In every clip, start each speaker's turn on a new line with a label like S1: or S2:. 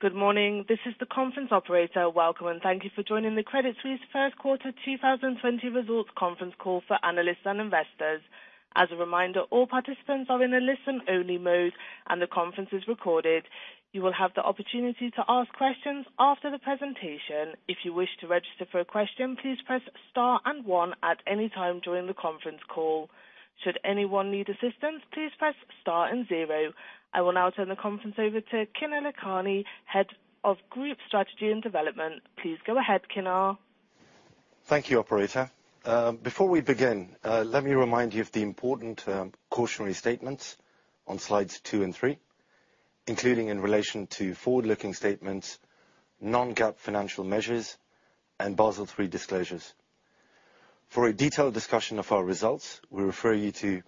S1: Good morning. This is the conference operator. Welcome, and thank you for joining the Credit Suisse third quarter 2020 results conference call for analysts and investors. As a reminder, all participants are in a listen-only mode and the conference is recorded. You will have the opportunity to ask questions after the presentation. If you wish to register for a question, please press star and one at any time during the conference call. Should anyone need assistance, please press star and zero. I will now turn the conference over to Kinner Lakhani, Head of Group Strategy and Development. Please go ahead, Kinner.
S2: Thank you, operator. Before we begin, let me remind you of the important cautionary statements on slides two and three, including in relation to forward-looking statements, non-GAAP financial measures, and Basel III disclosures. For a detailed discussion of our results, we refer you to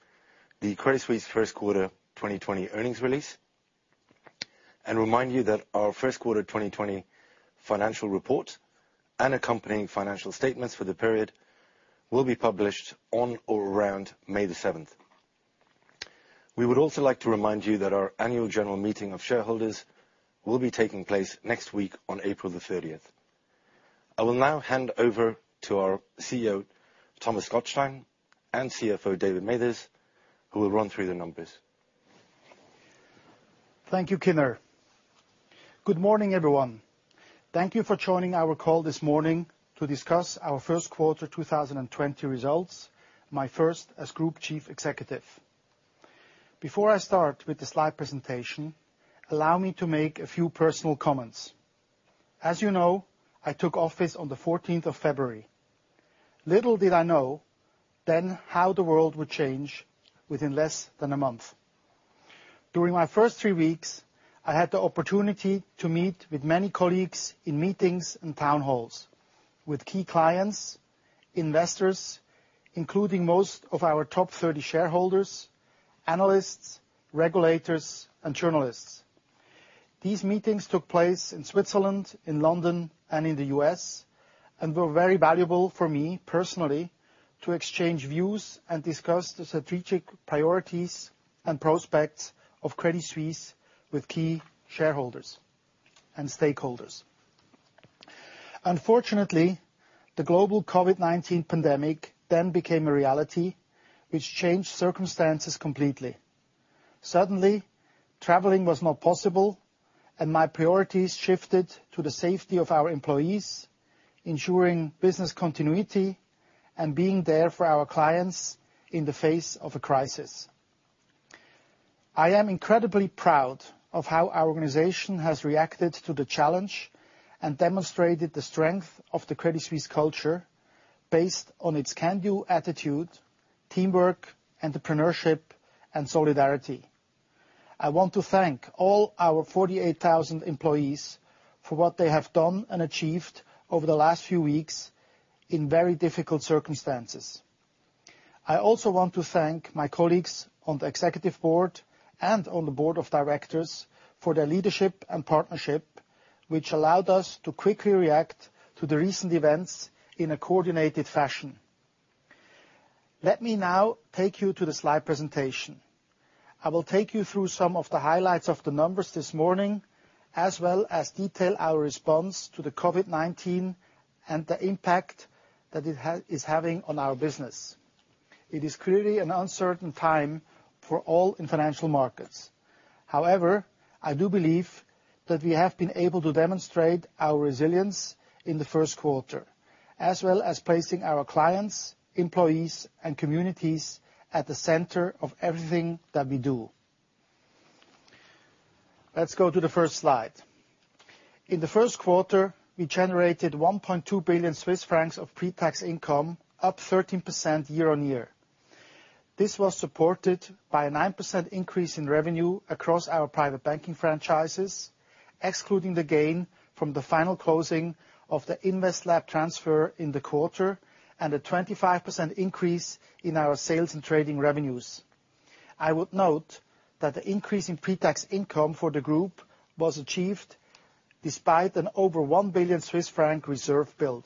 S2: the Credit Suisse first quarter 2020 earnings release and remind you that our first quarter 2020 financial report and accompanying financial statements for the period will be published on or around May the 7th. We would also like to remind you that our annual general meeting of shareholders will be taking place next week on April the 30th. I will now hand over to our CEO, Thomas Gottstein, and CFO, David Mathers, who will run through the numbers.
S3: Thank you, Kinner. Good morning, everyone. Thank you for joining our call this morning to discuss our first quarter 2020 results, my first as Group Chief Executive. Before I start with the slide presentation, allow me to make a few personal comments. As you know, I took office on the 14th of February. Little did I know then how the world would change within less than a month. During my first three weeks, I had the opportunity to meet with many colleagues in meetings and town halls with key clients, investors, including most of our top 30 shareholders, analysts, regulators, and journalists. These meetings took place in Switzerland, in London, and in the U.S., and were very valuable for me personally, to exchange views and discuss the strategic priorities and prospects of Credit Suisse with key shareholders and stakeholders. Unfortunately, the global COVID-19 pandemic then became a reality, which changed circumstances completely. Suddenly, traveling was not possible, and my priorities shifted to the safety of our employees, ensuring business continuity, and being there for our clients in the face of a crisis. I am incredibly proud of how our organization has reacted to the challenge and demonstrated the strength of the Credit Suisse culture based on its can-do attitude, teamwork, entrepreneurship, and solidarity. I want to thank all our 48,000 employees for what they have done and achieved over the last few weeks in very difficult circumstances. I also want to thank my colleagues on the Executive Board and on the Board of Directors for their leadership and partnership, which allowed us to quickly react to the recent events in a coordinated fashion. Let me now take you to the slide presentation. I will take you through some of the highlights of the numbers this morning, as well as detail our response to the COVID-19 and the impact that it is having on our business. It is clearly an uncertain time for all in financial markets. I do believe that we have been able to demonstrate our resilience in the first quarter, as well as placing our clients, employees, and communities at the center of everything that we do. Let's go to the first slide. In the first quarter, we generated 1.2 billion Swiss francs of pre-tax income, up 13% year-on-year. This was supported by a 9% increase in revenue across our private banking franchises, excluding the gain from the final closing of the InvestLab transfer in the quarter and a 25% increase in our sales and trading revenues. I would note that the increase in pre-tax income for the group was achieved despite an over 1 billion Swiss franc reserve build.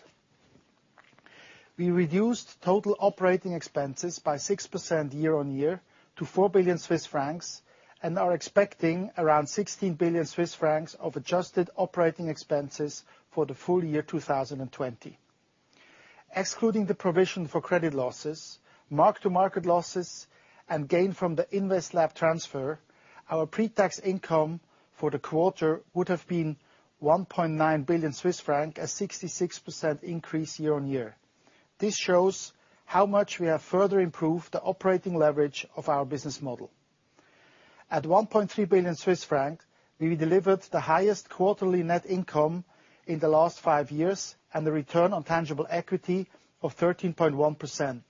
S3: We reduced total operating expenses by 6% year on year to 4 billion Swiss francs and are expecting around 16 billion Swiss francs of adjusted operating expenses for the full year 2020. Excluding the provision for credit losses, mark-to-market losses, and gain from the InvestLab transfer, our pre-tax income for the quarter would have been 1.9 billion Swiss francs, a 66% increase year-on-year. This shows how much we have further improved the operating leverage of our business model. At 1.3 billion Swiss francs, we delivered the highest quarterly net income in the last five years and the return on tangible equity of 13.1%,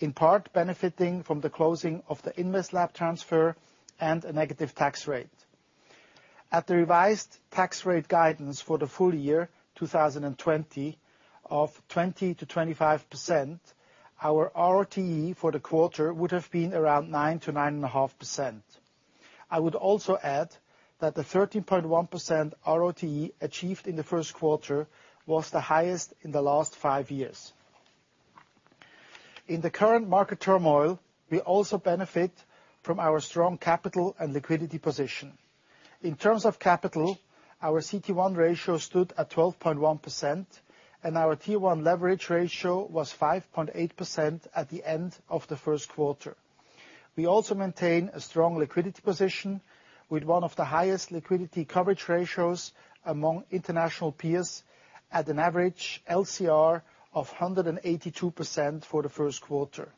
S3: in part benefiting from the closing of the InvestLab transfer and a negative tax rate. At the revised tax rate guidance for the full year 2020 of 20%-25%, our RoTE for the quarter would have been around 9%-9.5%. I would also add that the 13.1% RoTE achieved in the first quarter was the highest in the last five years. In the current market turmoil, we also benefit from our strong capital and liquidity position. In terms of capital, our CET1 ratio stood at 12.1%, and our tier-1 leverage ratio was 5.8% at the end of the first quarter. We also maintain a strong liquidity position with one of the highest liquidity coverage ratios among international peers at an average LCR of 182% for the first quarter.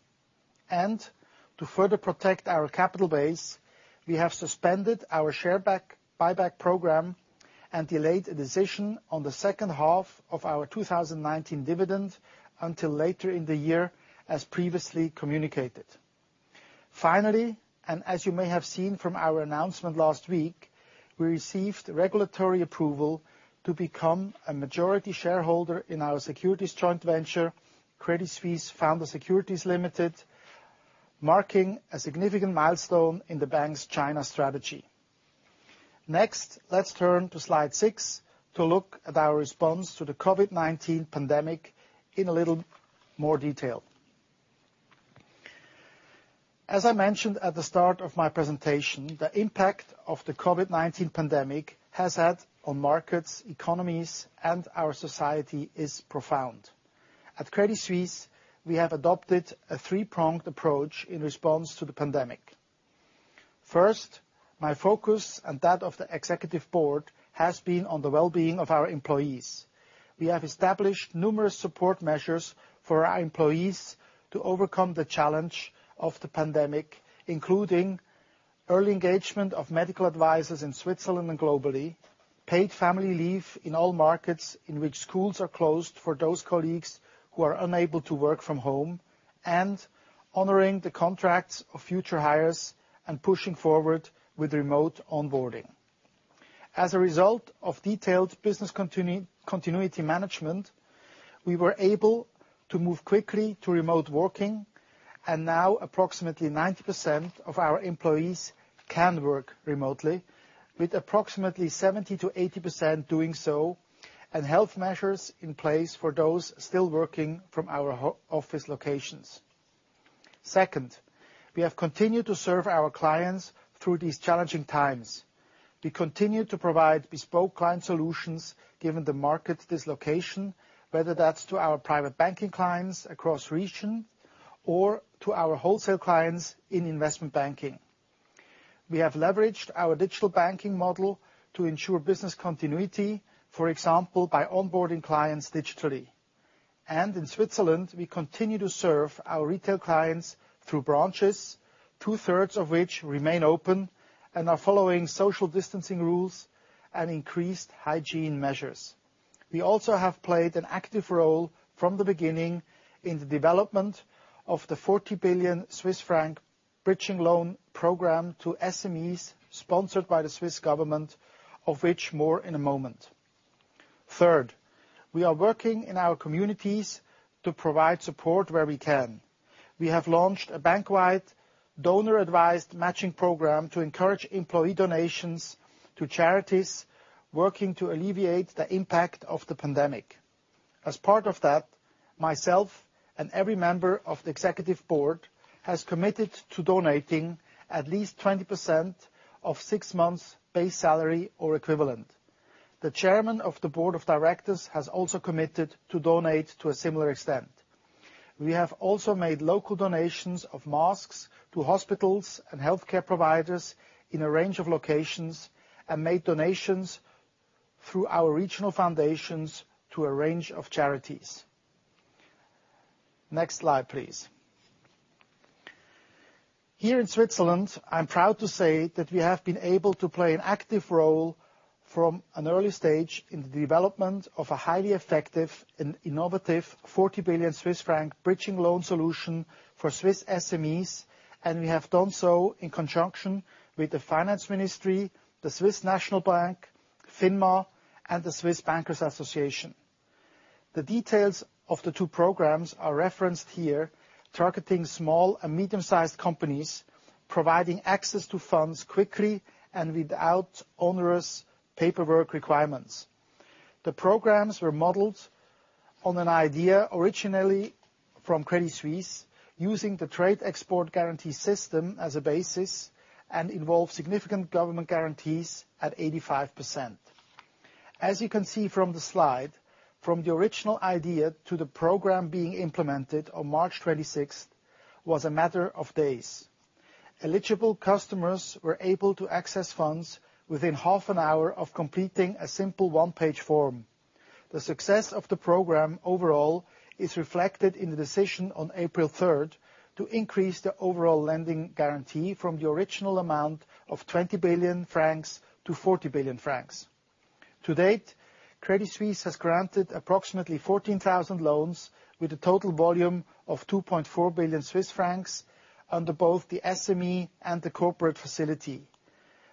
S3: To further protect our capital base, we have suspended our share buyback program and delayed a decision on the second half of our 2019 dividend until later in the year, as previously communicated. Finally, as you may have seen from our announcement last week, we received regulatory approval to become a majority shareholder in our securities joint venture, Credit Suisse Founder Securities Limited, marking a significant milestone in the bank's China strategy. Next, let's turn to slide six to look at our response to the COVID-19 pandemic in a little more detail. As I mentioned at the start of my presentation, the impact of the COVID-19 pandemic has had on markets, economies, and our society is profound. At Credit Suisse, we have adopted a three-pronged approach in response to the pandemic. First, my focus and that of the Executive Board has been on the well-being of our employees. We have established numerous support measures for our employees to overcome the challenge of the pandemic, including early engagement of medical advisors in Switzerland and globally, paid family leave in all markets in which schools are closed for those colleagues who are unable to work from home, and honoring the contracts of future hires and pushing forward with remote onboarding. As a result of detailed business continuity management, we were able to move quickly to remote working, and now approximately 90% of our employees can work remotely, with approximately 70%-80% doing so, and health measures in place for those still working from our office locations. Second, we have continued to serve our clients through these challenging times. We continue to provide bespoke client solutions, given the market dislocation, whether that's to our private banking clients across region or to our wholesale clients in investment banking. We have leveraged our digital banking model to ensure business continuity, for example, by onboarding clients digitally. In Switzerland, we continue to serve our retail clients through branches, 2/3s of which remain open and are following social distancing rules and increased hygiene measures. We also have played an active role from the beginning in the development of the 40 billion Swiss franc bridging loan program to SMEs sponsored by the Swiss government, of which more in a moment. Third, we are working in our communities to provide support where we can. We have launched a bank-wide donor-advised matching program to encourage employee donations to charities working to alleviate the impact of the pandemic. As part of that, myself and every member of the executive board has committed to donating at least 20% of six months' base salary or equivalent. The chairman of the board of directors has also committed to donate to a similar extent. We have also made local donations of masks to hospitals and healthcare providers in a range of locations and made donations through our regional foundations to a range of charities. Next slide, please. Here in Switzerland, I'm proud to say that we have been able to play an active role from an early stage in the development of a highly effective and innovative 40 billion Swiss franc bridging loan solution for Swiss SMEs. We have done so in conjunction with the finance ministry, the Swiss National Bank, FINMA, and the Swiss Bankers Association. The details of the two programs are referenced here, targeting small and medium-sized companies, providing access to funds quickly and without onerous paperwork requirements. The programs were modeled on an idea originally from Credit Suisse using the trade export guarantee system as a basis and involve significant government guarantees at 85%. As you can see from the slide, from the original idea to the program being implemented on March 26th, was a matter of days. Eligible customers were able to access funds within half an hour of completing a simple one-page form. The success of the program overall is reflected in the decision on April 3rd to increase the overall lending guarantee from the original amount of 20 billion francs to 40 billion francs. To date, Credit Suisse has granted approximately 14,000 loans with a total volume of 2.4 billion Swiss francs under both the SME and the corporate facility.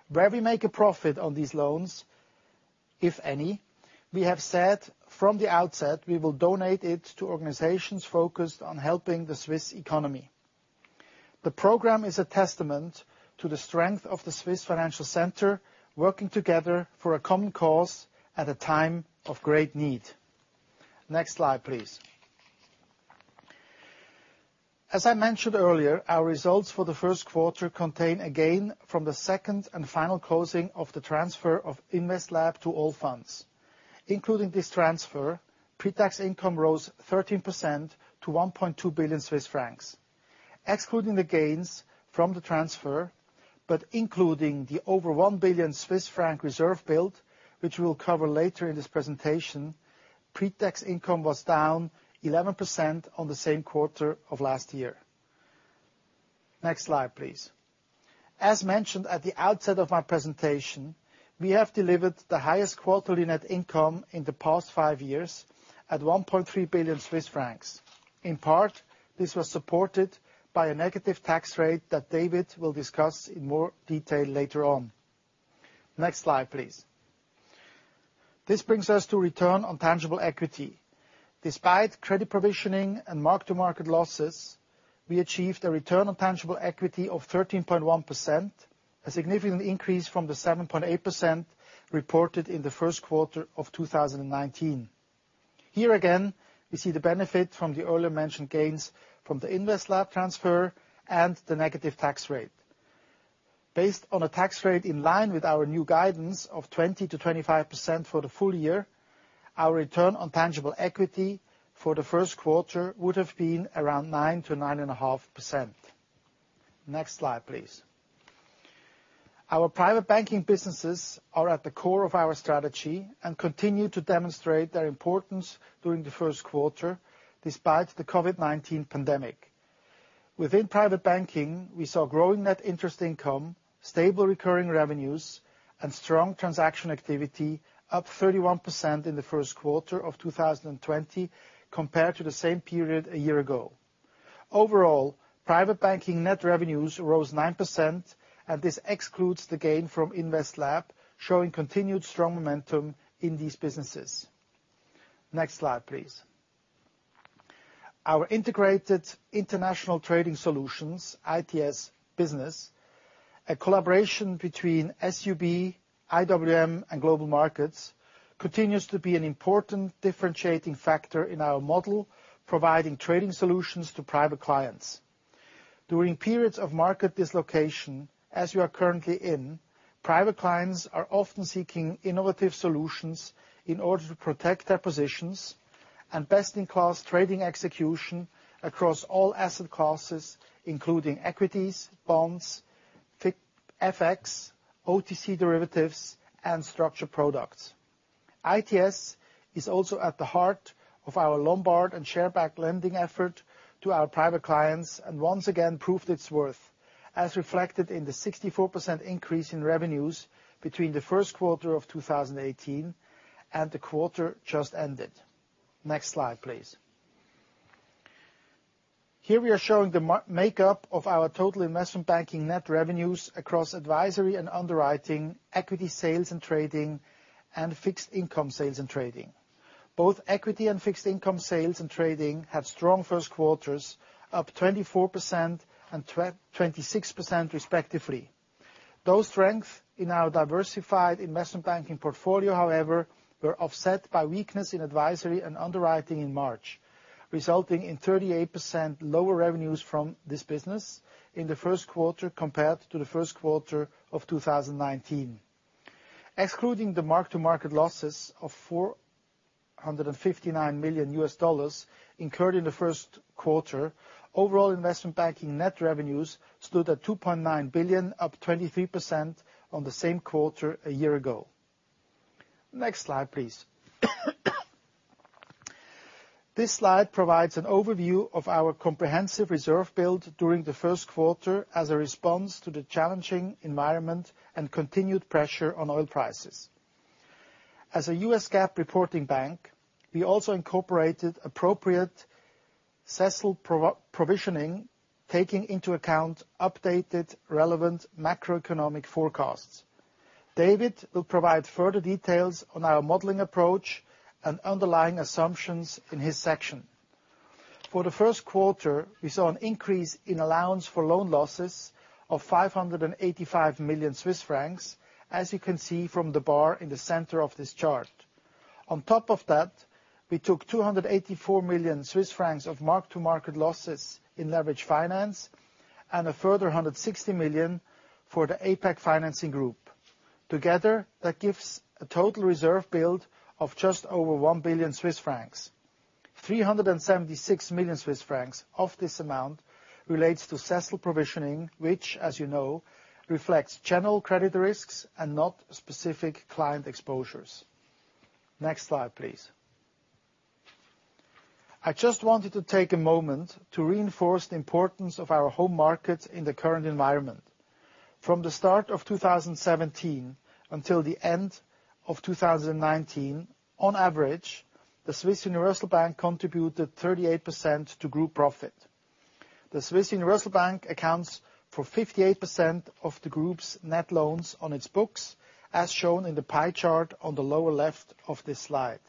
S3: Where we make a profit on these loans, if any, we have said from the outset, we will donate it to organizations focused on helping the Swiss economy. The program is a testament to the strength of the Swiss Financial Center working together for a common cause at a time of great need. Next slide, please. As I mentioned earlier, our results for the first quarter contain, again, from the second and final closing of the transfer of InvestLab to Allfunds. Including this transfer, pre-tax income rose 13% to 1.2 billion Swiss francs. Excluding the gains from the transfer, including the over 1 billion Swiss franc reserve build, which we'll cover later in this presentation, pre-tax income was down 11% on the same quarter of last year. Next slide, please. As mentioned at the outset of my presentation, we have delivered the highest quarterly net income in the past five years at 1.3 billion Swiss francs. In part, this was supported by a negative tax rate that David will discuss in more detail later on. Next slide, please. This brings us to return on tangible equity. Despite credit provisioning and mark-to-market losses, we achieved a return on tangible equity of 13.1%, a significant increase from the 7.8% reported in the first quarter of 2019. Here again, we see the benefit from the earlier mentioned gains from the InvestLab transfer and the negative tax rate. Based on a tax rate in line with our new guidance of 20%-25% for the full year, our return on tangible equity for the first quarter would have been around 9%-9.5%. Next slide, please. Our private banking businesses are at the core of our strategy and continue to demonstrate their importance during the first quarter, despite the COVID-19 pandemic. Within private banking, we saw growing net interest income, stable recurring revenues, and strong transaction activity up 31% in the first quarter of 2020 compared to the same period a year ago. Overall, private banking net revenues rose 9%, and this excludes the gain from InvestLab, showing continued strong momentum in these businesses. Next slide, please. Our integrated international trading solutions, ITS business, a collaboration between SUB, IWM, and global markets, continues to be an important differentiating factor in our model, providing trading solutions to private clients. During periods of market dislocation, as we are currently in, private clients are often seeking innovative solutions in order to protect their positions and best-in-class trading execution across all asset classes, including equities, bonds, FX, OTC derivatives, and structured products. ITS is also at the heart of our Lombard and share-backed lending effort to our private clients, and once again proved its worth, as reflected in the 64% increase in revenues between the first quarter of 2018 and the quarter just ended. Next slide, please. Here we are showing the makeup of our total investment banking net revenues across advisory and underwriting, equity sales and trading, and fixed income sales and trading. Both equity and fixed income sales and trading had strong first quarters, up 24% and 26% respectively. Those strengths in our diversified investment banking portfolio, however, were offset by weakness in advisory and underwriting in March, resulting in 38% lower revenues from this business in the first quarter compared to the first quarter of 2019. Excluding the mark-to-market losses of $459 million incurred in the first quarter, overall investment banking net revenues stood at 2.9 billion, up 23% on the same quarter a year ago. Next slide, please. This slide provides an overview of our comprehensive reserve build during the first quarter as a response to the challenging environment and continued pressure on oil prices. As a US GAAP reporting bank, we also incorporated appropriate CECL provisioning, taking into account updated relevant macroeconomic forecasts. David will provide further details on our modeling approach and underlying assumptions in his section. For the first quarter, we saw an increase in allowance for loan losses of 585 million Swiss francs, as you can see from the bar in the center of this chart. On top of that, we took 284 million Swiss francs of mark-to-market losses in leveraged finance and a further 160 million for the APAC financing group. Together, that gives a total reserve build of just over 1 billion Swiss francs. 376 million Swiss francs of this amount relates to CECL provisioning, which as you know, reflects general credit risks and not specific client exposures. Next slide, please. I just wanted to take a moment to reinforce the importance of our home market in the current environment. From the start of 2017 until the end of 2019, on average, the Swiss Universal Bank contributed 38% to group profit. The Swiss Universal Bank accounts for 58% of the group's net loans on its books, as shown in the pie chart on the lower left of this slide.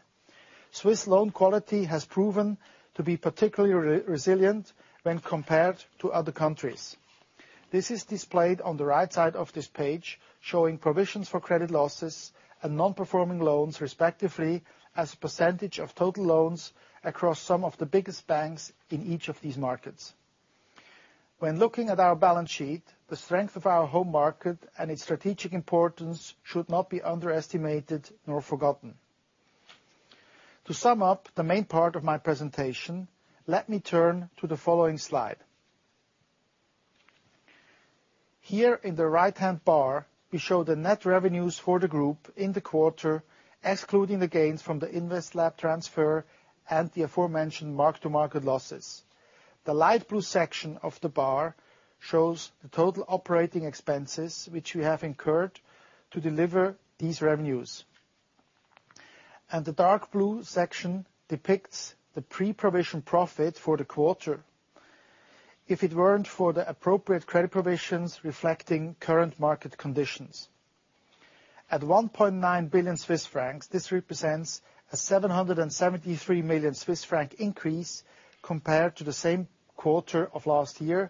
S3: Swiss loan quality has proven to be particularly resilient when compared to other countries. This is displayed on the right side of this page, showing provisions for credit losses and non-performing loans, respectively, as a percentage of total loans across some of the biggest banks in each of these markets. When looking at our balance sheet, the strength of our home market and its strategic importance should not be underestimated nor forgotten. To sum up the main part of my presentation, let me turn to the following slide. Here in the right-hand bar, we show the net revenues for the group in the quarter, excluding the gains from the InvestLab transfer and the aforementioned mark-to-market losses. The light blue section of the bar shows the total operating expenses which we have incurred to deliver these revenues, and the dark blue section depicts the pre-provision profit for the quarter if it weren't for the appropriate credit provisions reflecting current market conditions. At 1.9 billion Swiss francs, this represents a 773 million Swiss franc increase compared to the same quarter of last year,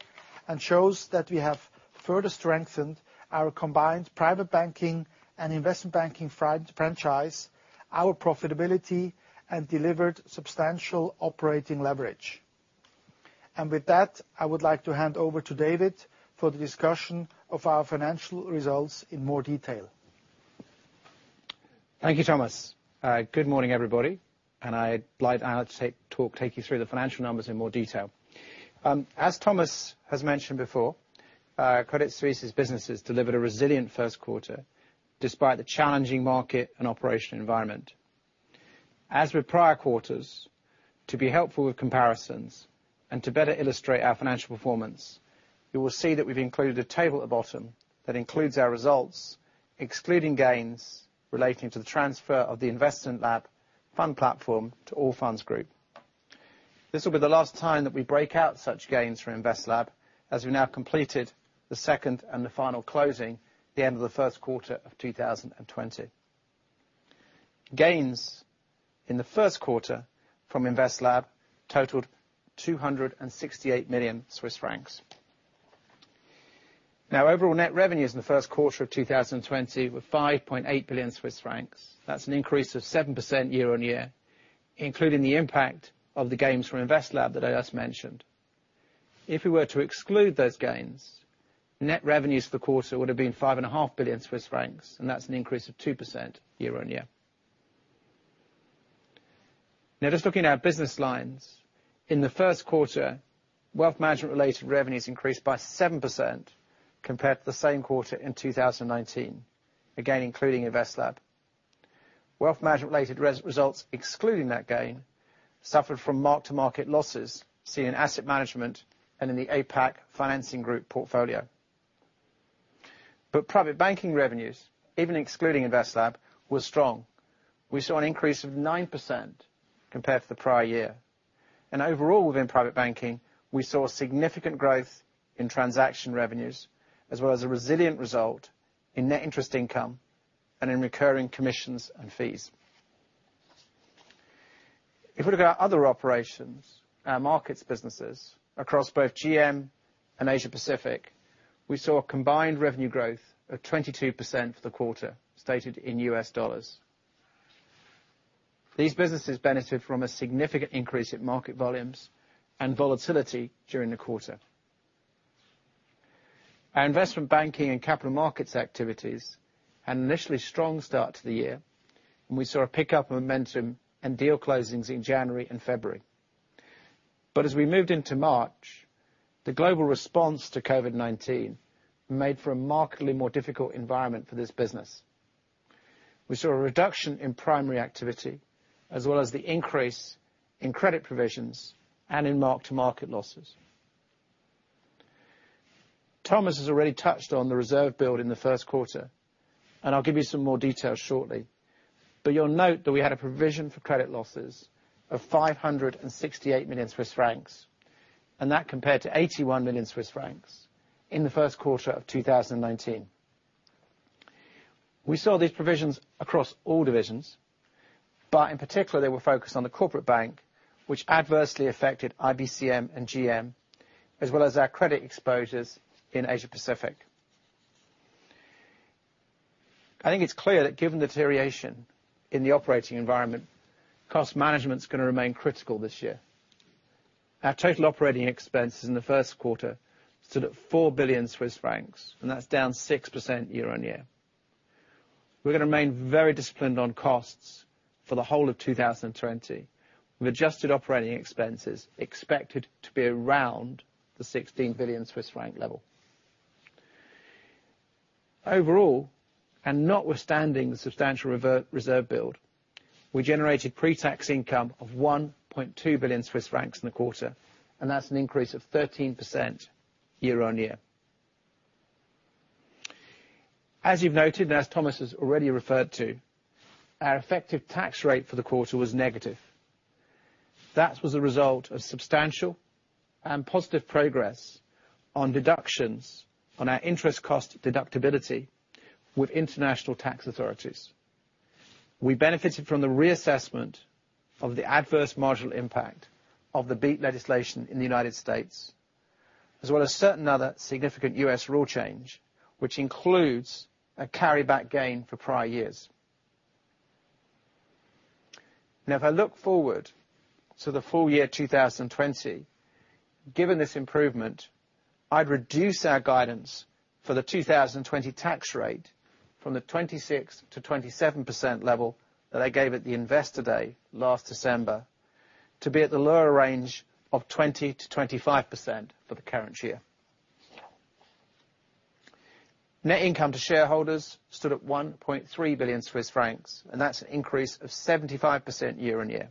S3: shows that we have further strengthened our combined private banking and investment banking franchise, our profitability, and delivered substantial operating leverage. With that, I would like to hand over to David for the discussion of our financial results in more detail.
S4: Thank you, Thomas. Good morning, everybody. I'd like now to take you through the financial numbers in more detail. As Thomas has mentioned before, Credit Suisse's businesses delivered a resilient first quarter, despite the challenging market and operational environment. As with prior quarters, to be helpful with comparisons, and to better illustrate our financial performance, you will see that we've included a table at the bottom that includes our results, excluding gains relating to the transfer of the InvestLab Fund platform to Allfunds Group. This will be the last time that we break out such gains for InvestLab, as we've now completed the second and the final closing at the end of the first quarter of 2020. Gains in the first quarter from InvestLab totaled CHF 268 million. Now, overall net revenues in the first quarter of 2020 were 5.8 billion Swiss francs. That's an increase of 7% year-on-year, including the impact of the gains from InvestLab that I just mentioned. If we were to exclude those gains, net revenues for the quarter would've been 5.5 billion Swiss francs, and that's an increase of 2% year-on-year. Just looking at our business lines, in the first quarter, Wealth Management-related revenues increased by 7% compared to the same quarter in 2019, again, including InvestLab. Wealth Management-related results, excluding that gain, suffered from mark-to-market losses seen in Asset Management and in the APAC financing group portfolio. Private Banking revenues, even excluding InvestLab, were strong. We saw an increase of 9% compared to the prior year, and overall within Private Banking, we saw significant growth in transaction revenues, as well as a resilient result in net interest income and in recurring commissions and fees. If we look at our other operations, our markets businesses, across both GM and Asia Pacific, we saw a combined revenue growth of 22% for the quarter, stated in US dollars. These businesses benefited from a significant increase in market volumes and volatility during the quarter. Our Investment Banking and Capital Markets activities had an initially strong start to the year. We saw a pickup of momentum and deal closings in January and February. As we moved into March, the global response to COVID-19 made for a markedly more difficult environment for this business. We saw a reduction in primary activity, as well as the increase in credit provisions and in mark-to-market losses. Thomas has already touched on the reserve build in the first quarter. I'll give you some more details shortly. You'll note that we had a provision for credit losses of 568 million Swiss francs, and that compared to 81 million Swiss francs in the first quarter of 2019. We saw these provisions across all divisions, but in particular, they were focused on the corporate bank, which adversely affected IBCM and GM, as well as our credit exposures in Asia Pacific. I think it's clear that given the deterioration in the operating environment, cost management's going to remain critical this year. Our total operating expenses in the first quarter stood at 4 billion Swiss francs, and that's down 6% year-on-year. We're going to remain very disciplined on costs for the whole of 2020, with adjusted operating expenses expected to be around the 16 billion Swiss franc level. Overall, notwithstanding the substantial reserve build, we generated pre-tax income of 1.2 billion Swiss francs in the quarter, and that's an increase of 13% year-on-year. As you've noted, as Thomas has already referred to, our effective tax rate for the quarter was negative. That was a result of substantial and positive progress on deductions on our interest cost deductibility with international tax authorities. We benefited from the reassessment of the adverse marginal impact of the BEAT legislation in the United States, as well as certain other significant U.S. rule change, which includes a carryback gain for prior years. If I look forward to the full year 2020, given this improvement, I'd reduce our guidance for the 2020 tax rate from the 26%-27% level that I gave at the Investor Day last December to be at the lower range of 20%-25% for the current year. Net income to shareholders stood at 1.3 billion Swiss francs, that's an increase of 75% year-on-year,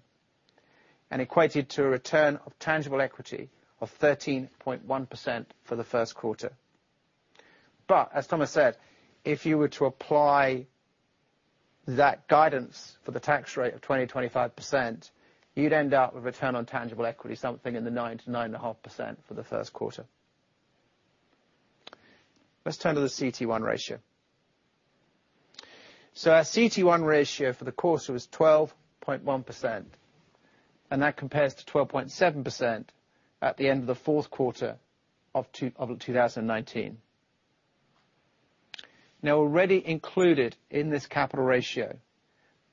S4: and equated to a return on tangible equity of 13.1% for the first quarter. As Thomas said, if you were to apply that guidance for the tax rate of 20%-25%, you'd end up with return on tangible equity, something in the 9%-9.5% for the first quarter. Let's turn to the CET1 ratio. Our CET1 ratio for the quarter was 12.1%, that compares to 12.7% at the end of the fourth quarter of 2019. Already included in this capital ratio,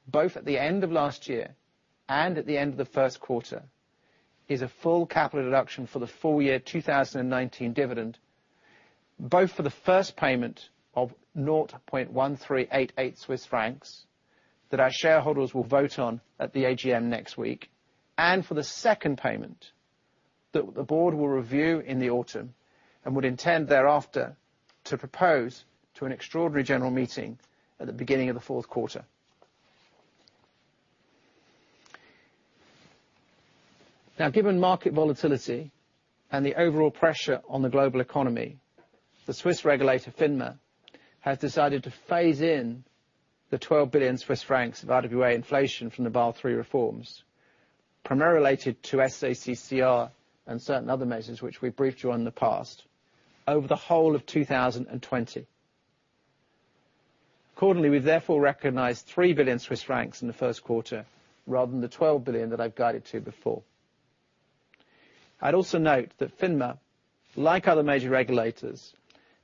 S4: both at the end of last year and at the end of the first quarter, is a full capital reduction for the full year 2019 dividend, both for the first payment of 0.1388 Swiss francs that our shareholders will vote on at the AGM next week, and for the second payment that the board will review in the autumn and would intend thereafter to propose to an extraordinary general meeting at the beginning of the fourth quarter. Given market volatility and the overall pressure on the global economy, the Swiss regulator, FINMA, has decided to phase in the 12 billion Swiss francs of RWA inflation from the Basel III reforms, primarily related to SA-CCR and certain other measures which we briefed you on in the past, over the whole of 2020. Accordingly, we've therefore recognized 3 billion Swiss francs in the first quarter rather than the 12 billion that I've guided to before. I'd also note that FINMA, like other major regulators, has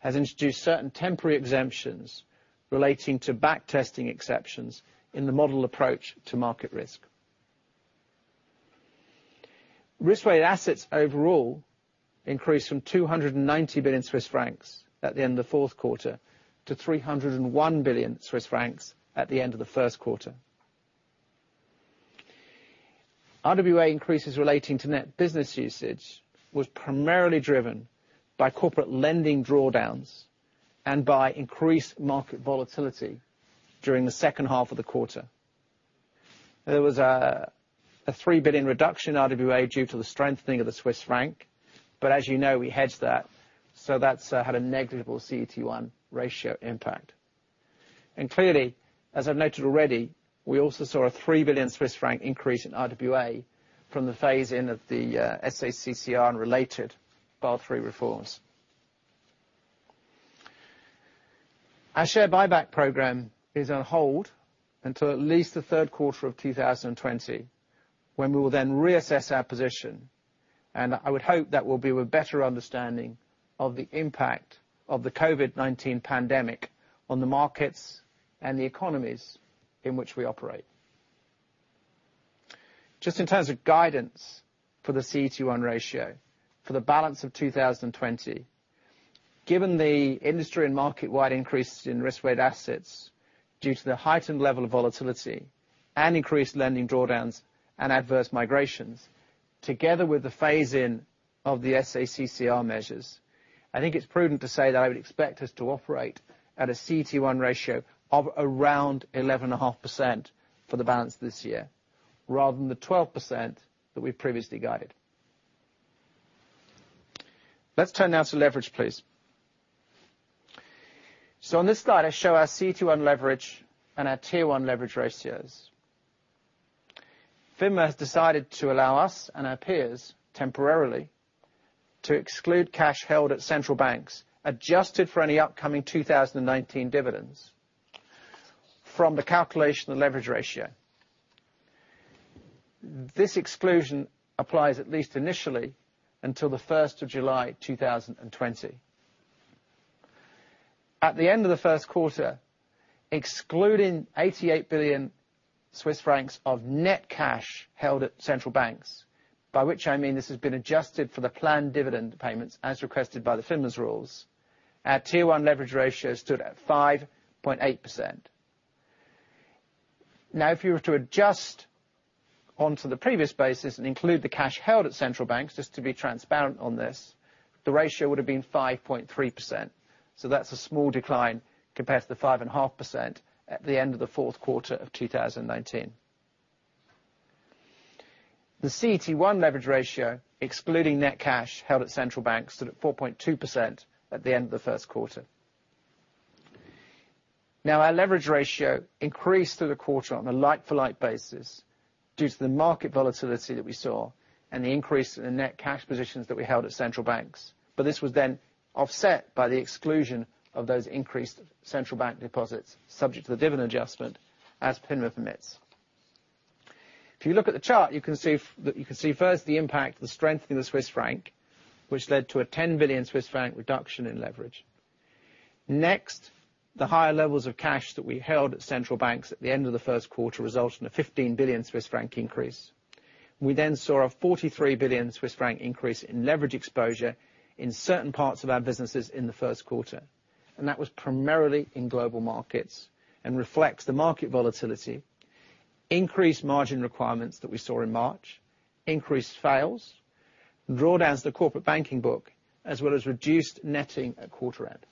S4: introduced certain temporary exemptions relating to back testing exceptions in the model approach to market risk. Risk-weighted assets overall increased from 290 billion Swiss francs at the end of the fourth quarter to 301 billion Swiss francs at the end of the first quarter. RWA increases relating to net business usage was primarily driven by corporate lending drawdowns and by increased market volatility during the second half of the quarter. There was a 3 billion reduction in RWA due to the strengthening of the Swiss franc, but as you know, we hedged that, so that's had a negligible CET1 ratio impact. Clearly, as I've noted already, we also saw a 3 billion Swiss franc increase in RWA from the phase-in of the SA-CCR and related Basel III reforms. Our share buyback program is on hold until at least the third quarter of 2020, when we will then reassess our position, and I would hope that will be with better understanding of the impact of the COVID-19 pandemic on the markets and the economies in which we operate. In terms of guidance for the CET1 ratio for the balance of 2020, given the industry and market-wide increases in risk-weighted assets due to the heightened level of volatility and increased lending drawdowns and adverse migrations, together with the phase-in of the SA-CCR measures, I think it's prudent to say that I would expect us to operate at a CET1 ratio of around 11.5% for the balance this year, rather than the 12% that we've previously guided. Let's turn now to leverage, please. On this slide, I show our CET1 leverage and our tier-1 leverage ratios. FINMA has decided to allow us and our peers temporarily to exclude cash held at central banks, adjusted for any upcoming 2019 dividends from the calculation of the leverage ratio. This exclusion applies at least initially until the 1st of July 2020. At the end of the first quarter, excluding 88 billion Swiss francs of net cash held at central banks, by which I mean this has been adjusted for the planned dividend payments as requested by the FINMA's rules. Our tier-1 leverage ratio stood at 5.8%. If you were to adjust onto the previous basis and include the cash held at central banks, just to be transparent on this, the ratio would have been 5.3%. That's a small decline compared to the 5.5% at the end of the fourth quarter of 2019. The CET1 leverage ratio, excluding net cash held at central banks, stood at 4.2% at the end of the first quarter. Our leverage ratio increased through the quarter on a like-for-like basis due to the market volatility that we saw and the increase in the net cash positions that we held at central banks. This was then offset by the exclusion of those increased central bank deposits subject to the dividend adjustment, as FINMA permits. If you look at the chart, you can see first the impact of the strengthening the CHF, which led to a 10 billion Swiss franc reduction in leverage. The higher levels of cash that we held at central banks at the end of the first quarter result in a 15 billion Swiss franc increase. We saw a 43 billion Swiss franc increase in leverage exposure in certain parts of our businesses in the first quarter, and that was primarily in global markets and reflects the market volatility, increased margin requirements that we saw in March, increased fails, drawdowns to the corporate banking book, as well as reduced netting at quarter end.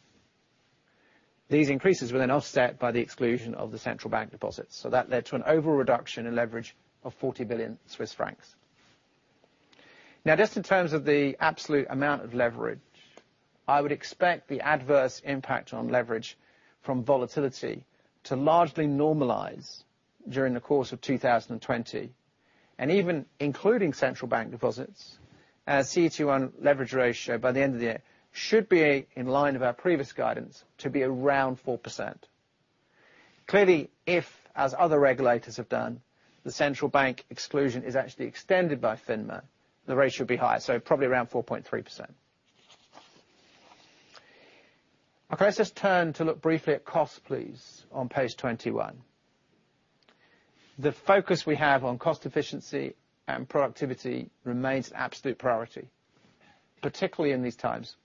S4: These increases were offset by the exclusion of the central bank deposits. That led to an overall reduction in leverage of 40 billion Swiss francs. Just in terms of the absolute amount of leverage, I would expect the adverse impact on leverage from volatility to largely normalize during the course of 2020. Even including central bank deposits, our CET1 leverage ratio by the end of the year should be in line with our previous guidance to be around 4%. Clearly, if, as other regulators have done, the central bank exclusion is actually extended by FINMA, the ratio would be higher, so probably around 4.3%. Let's just turn to look briefly at cost, please, on page 21. The focus we have on cost efficiency and productivity remains an absolute priority, particularly in these times.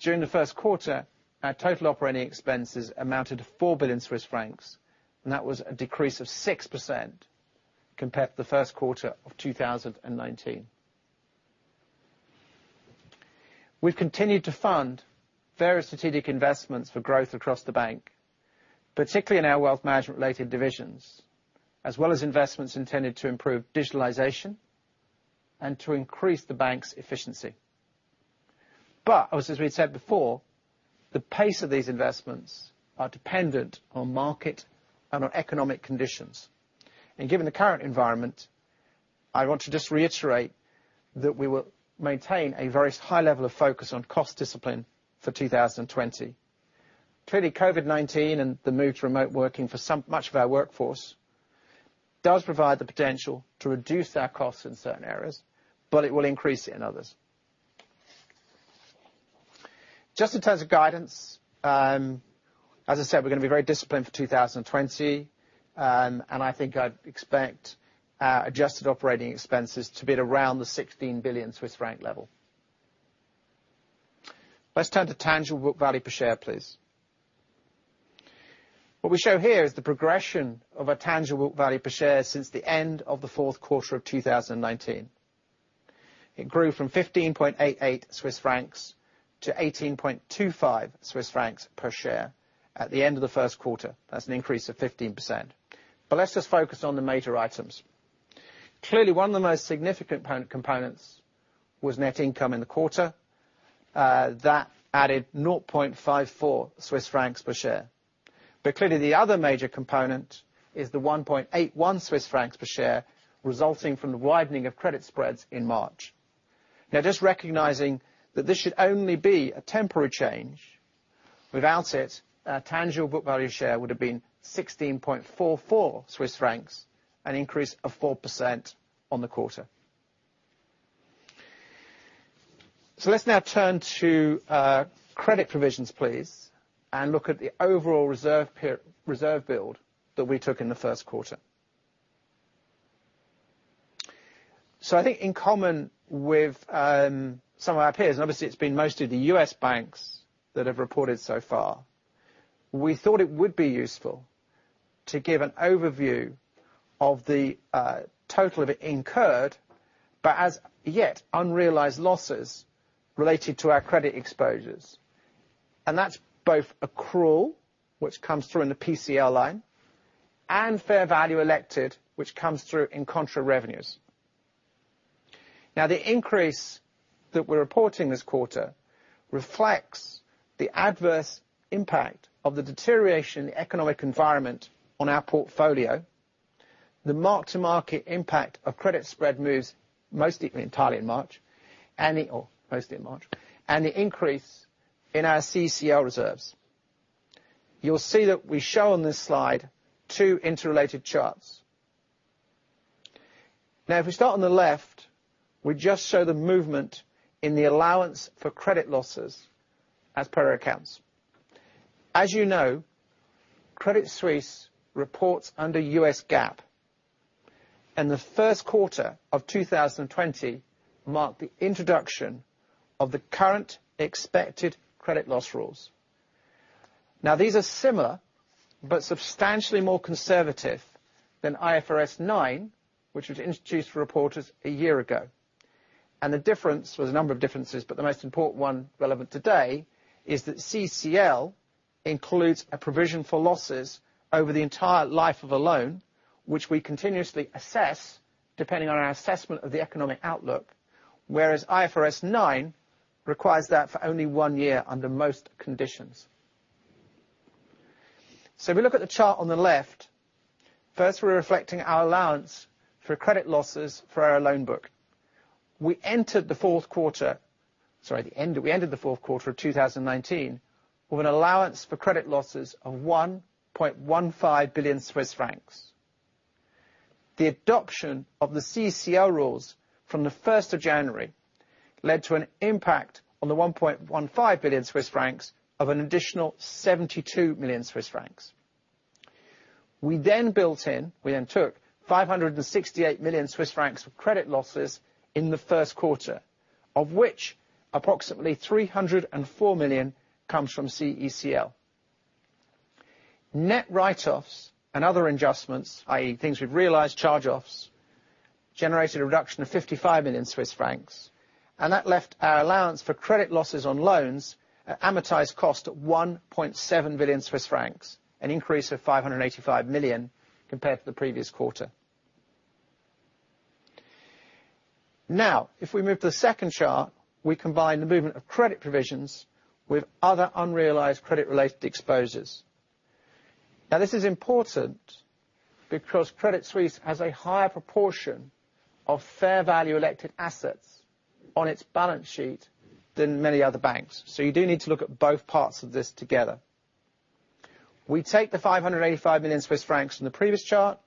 S4: During the first quarter, our total operating expenses amounted to 4 billion Swiss francs, and that was a decrease of 6% compared to the first quarter of 2019. We've continued to fund various strategic investments for growth across the bank, particularly in our Wealth Management-related divisions, as well as investments intended to improve digitalization and to increase the bank's efficiency. As we said before, the pace of these investments are dependent on market and on economic conditions. Given the current environment, I want to just reiterate that we will maintain a very high level of focus on cost discipline for 2020. Clearly, COVID-19 and the move to remote working for much of our workforce does provide the potential to reduce our costs in certain areas, but it will increase it in others. Just in terms of guidance, as I said, we're going to be very disciplined for 2020. I think I'd expect our adjusted operating expenses to be at around the 16 billion Swiss franc level. Let's turn to tangible book value per share, please. What we show here is the progression of our tangible value per share since the end of the fourth quarter of 2019. It grew from 15.88 Swiss francs to 18.25 Swiss francs per share at the end of the first quarter. That's an increase of 15%. Let's just focus on the major items. Clearly, one of the most significant components was net income in the quarter. That added 0.54 Swiss francs per share. Clearly the other major component is the 1.81 Swiss francs per share resulting from the widening of credit spreads in March. Just recognizing that this should only be a temporary change, without it, our tangible book value share would have been 16.44 Swiss francs, an increase of 4% on the quarter. Let's now turn to credit provisions, please, and look at the overall reserve build that we took in the first quarter. I think in common with some of our peers, and obviously it's been mostly the U.S. banks that have reported so far, we thought it would be useful to give an overview of the total of incurred, but as yet unrealized losses related to our credit exposures. That's both accrual, which comes through in the PCL line, and fair value elected, which comes through in contra revenues. The increase that we're reporting this quarter reflects the adverse impact of the deterioration in the economic environment on our portfolio. The mark-to-market impact of credit spread moves mostly in March, the increase in our CECL reserves. You'll see that we show on this slide two interrelated charts. If we start on the left, we just show the movement in the allowance for credit losses as per our accounts. As you know, Credit Suisse reports under US GAAP, the first quarter of 2020 marked the introduction of the Current Expected Credit Loss rules. These are similar, but substantially more conservative than IFRS 9, which was introduced for reporters a year ago. The difference, well, there's a number of differences, but the most important one relevant today is that CECL includes a provision for losses over the entire life of a loan, which we continuously assess depending on our assessment of the economic outlook. Whereas IFRS 9 requires that for only one year under most conditions. If we look at the chart on the left, first, we are reflecting our allowance for credit losses for our loan book. We ended the fourth quarter of 2019 with an allowance for credit losses of 1.15 billion Swiss francs. The adoption of the CECL rules from the 1st of January led to an impact on the 1.15 billion Swiss francs of an additional 72 million Swiss francs. We then took 568 million Swiss francs of credit losses in the first quarter, of which approximately 304 million comes from CECL. Net write-offs and other adjustments, i.e. things we've realized, charge-offs, generated a reduction of 55 million Swiss francs, and that left our allowance for credit losses on loans at amortized cost at 1.7 billion Swiss francs, an increase of 585 million compared to the previous quarter. If we move to the second chart, we combine the movement of credit provisions with other unrealized credit-related exposures. This is important because Credit Suisse has a higher proportion of fair value elected assets on its balance sheet than many other banks. You do need to look at both parts of this together. We take the 585 million Swiss francs from the previous chart,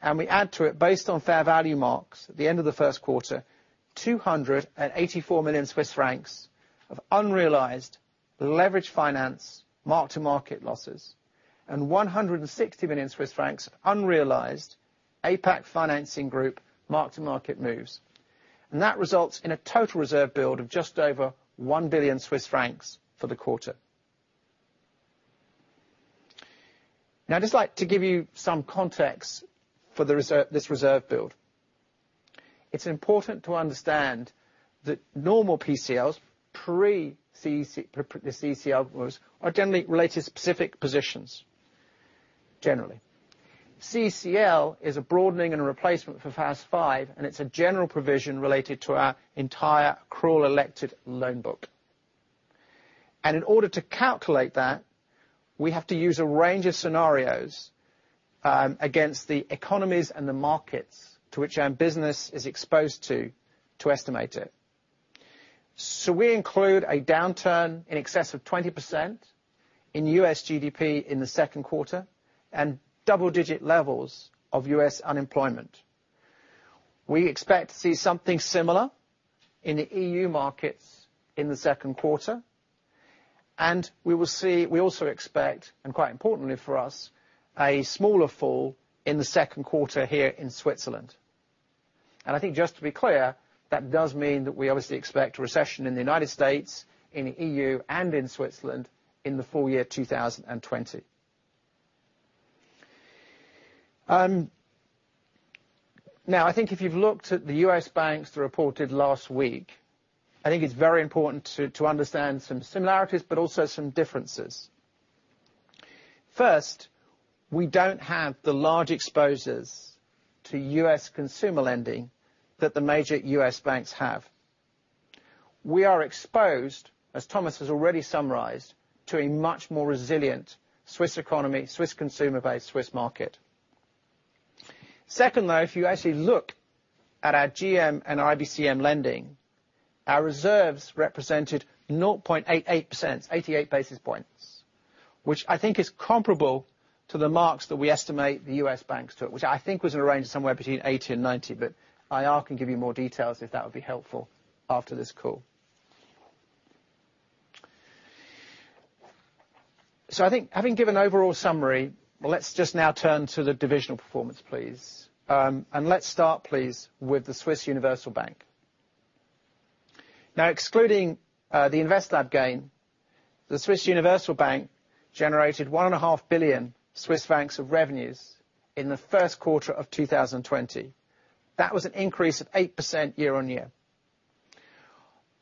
S4: and we add to it, based on fair value marks at the end of the first quarter, 284 million Swiss francs of unrealized leveraged finance mark-to-market losses and 160 million Swiss francs of unrealized APAC financing group mark-to-market moves, and that results in a total reserve build of just over 1 billion Swiss francs for the quarter. Now I'd just like to give you some context for this reserve build. It's important to understand that normal PCLs, pre the CECL rules, are generally related to specific positions. Generally. CECL is a broadening and a replacement for FAS 5, and it's a general provision related to our entire accrual elected loan book. In order to calculate that, we have to use a range of scenarios against the economies and the markets to which our business is exposed to estimate it. We include a downturn in excess of 20% in U.S. GDP in the second quarter and double-digit levels of U.S. unemployment. We expect to see something similar in the EU markets in the second quarter, and we also expect, and quite importantly for us, a smaller fall in the second quarter here in Switzerland. I think just to be clear, that does mean that we obviously expect a recession in the United States, in the EU, and in Switzerland in the full year 2020. I think if you've looked at the U.S. banks that reported last week, I think it's very important to understand some similarities, but also some differences. First, we don't have the large exposures to U.S. consumer lending that the major U.S. banks have. We are exposed, as Thomas has already summarized, to a much more resilient Swiss economy, Swiss consumer base, Swiss market. Second, though, if you actually look at our GM and IBCM lending, our reserves represented 0.88%, 88 basis points, which I think is comparable to the marks that we estimate the U.S. banks took, which I think was in a range somewhere between 80 and 90 basis points, but IR can give you more details if that would be helpful after this call. I think having given an overall summary, let's just now turn to the divisional performance, please. Let's start, please, with the Swiss Universal Bank. Now, excluding the InvestLab gain, the Swiss Universal Bank generated one and a half billion Swiss francs of revenues in the first quarter of 2020. That was an increase of 8% year on year.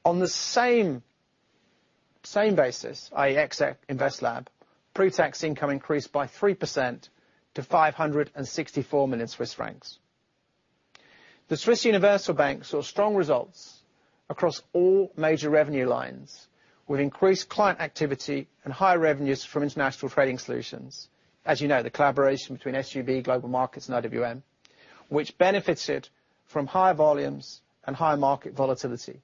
S4: On the same basis, i.e. ex InvestLab, pre-tax income increased by 3% to 564 million Swiss francs. The Swiss Universal Bank saw strong results across all major revenue lines, with increased client activity and higher revenues from international trading solutions. As you know, the collaboration between SUB, global markets, and IWM, which benefited from higher volumes and higher market volatility.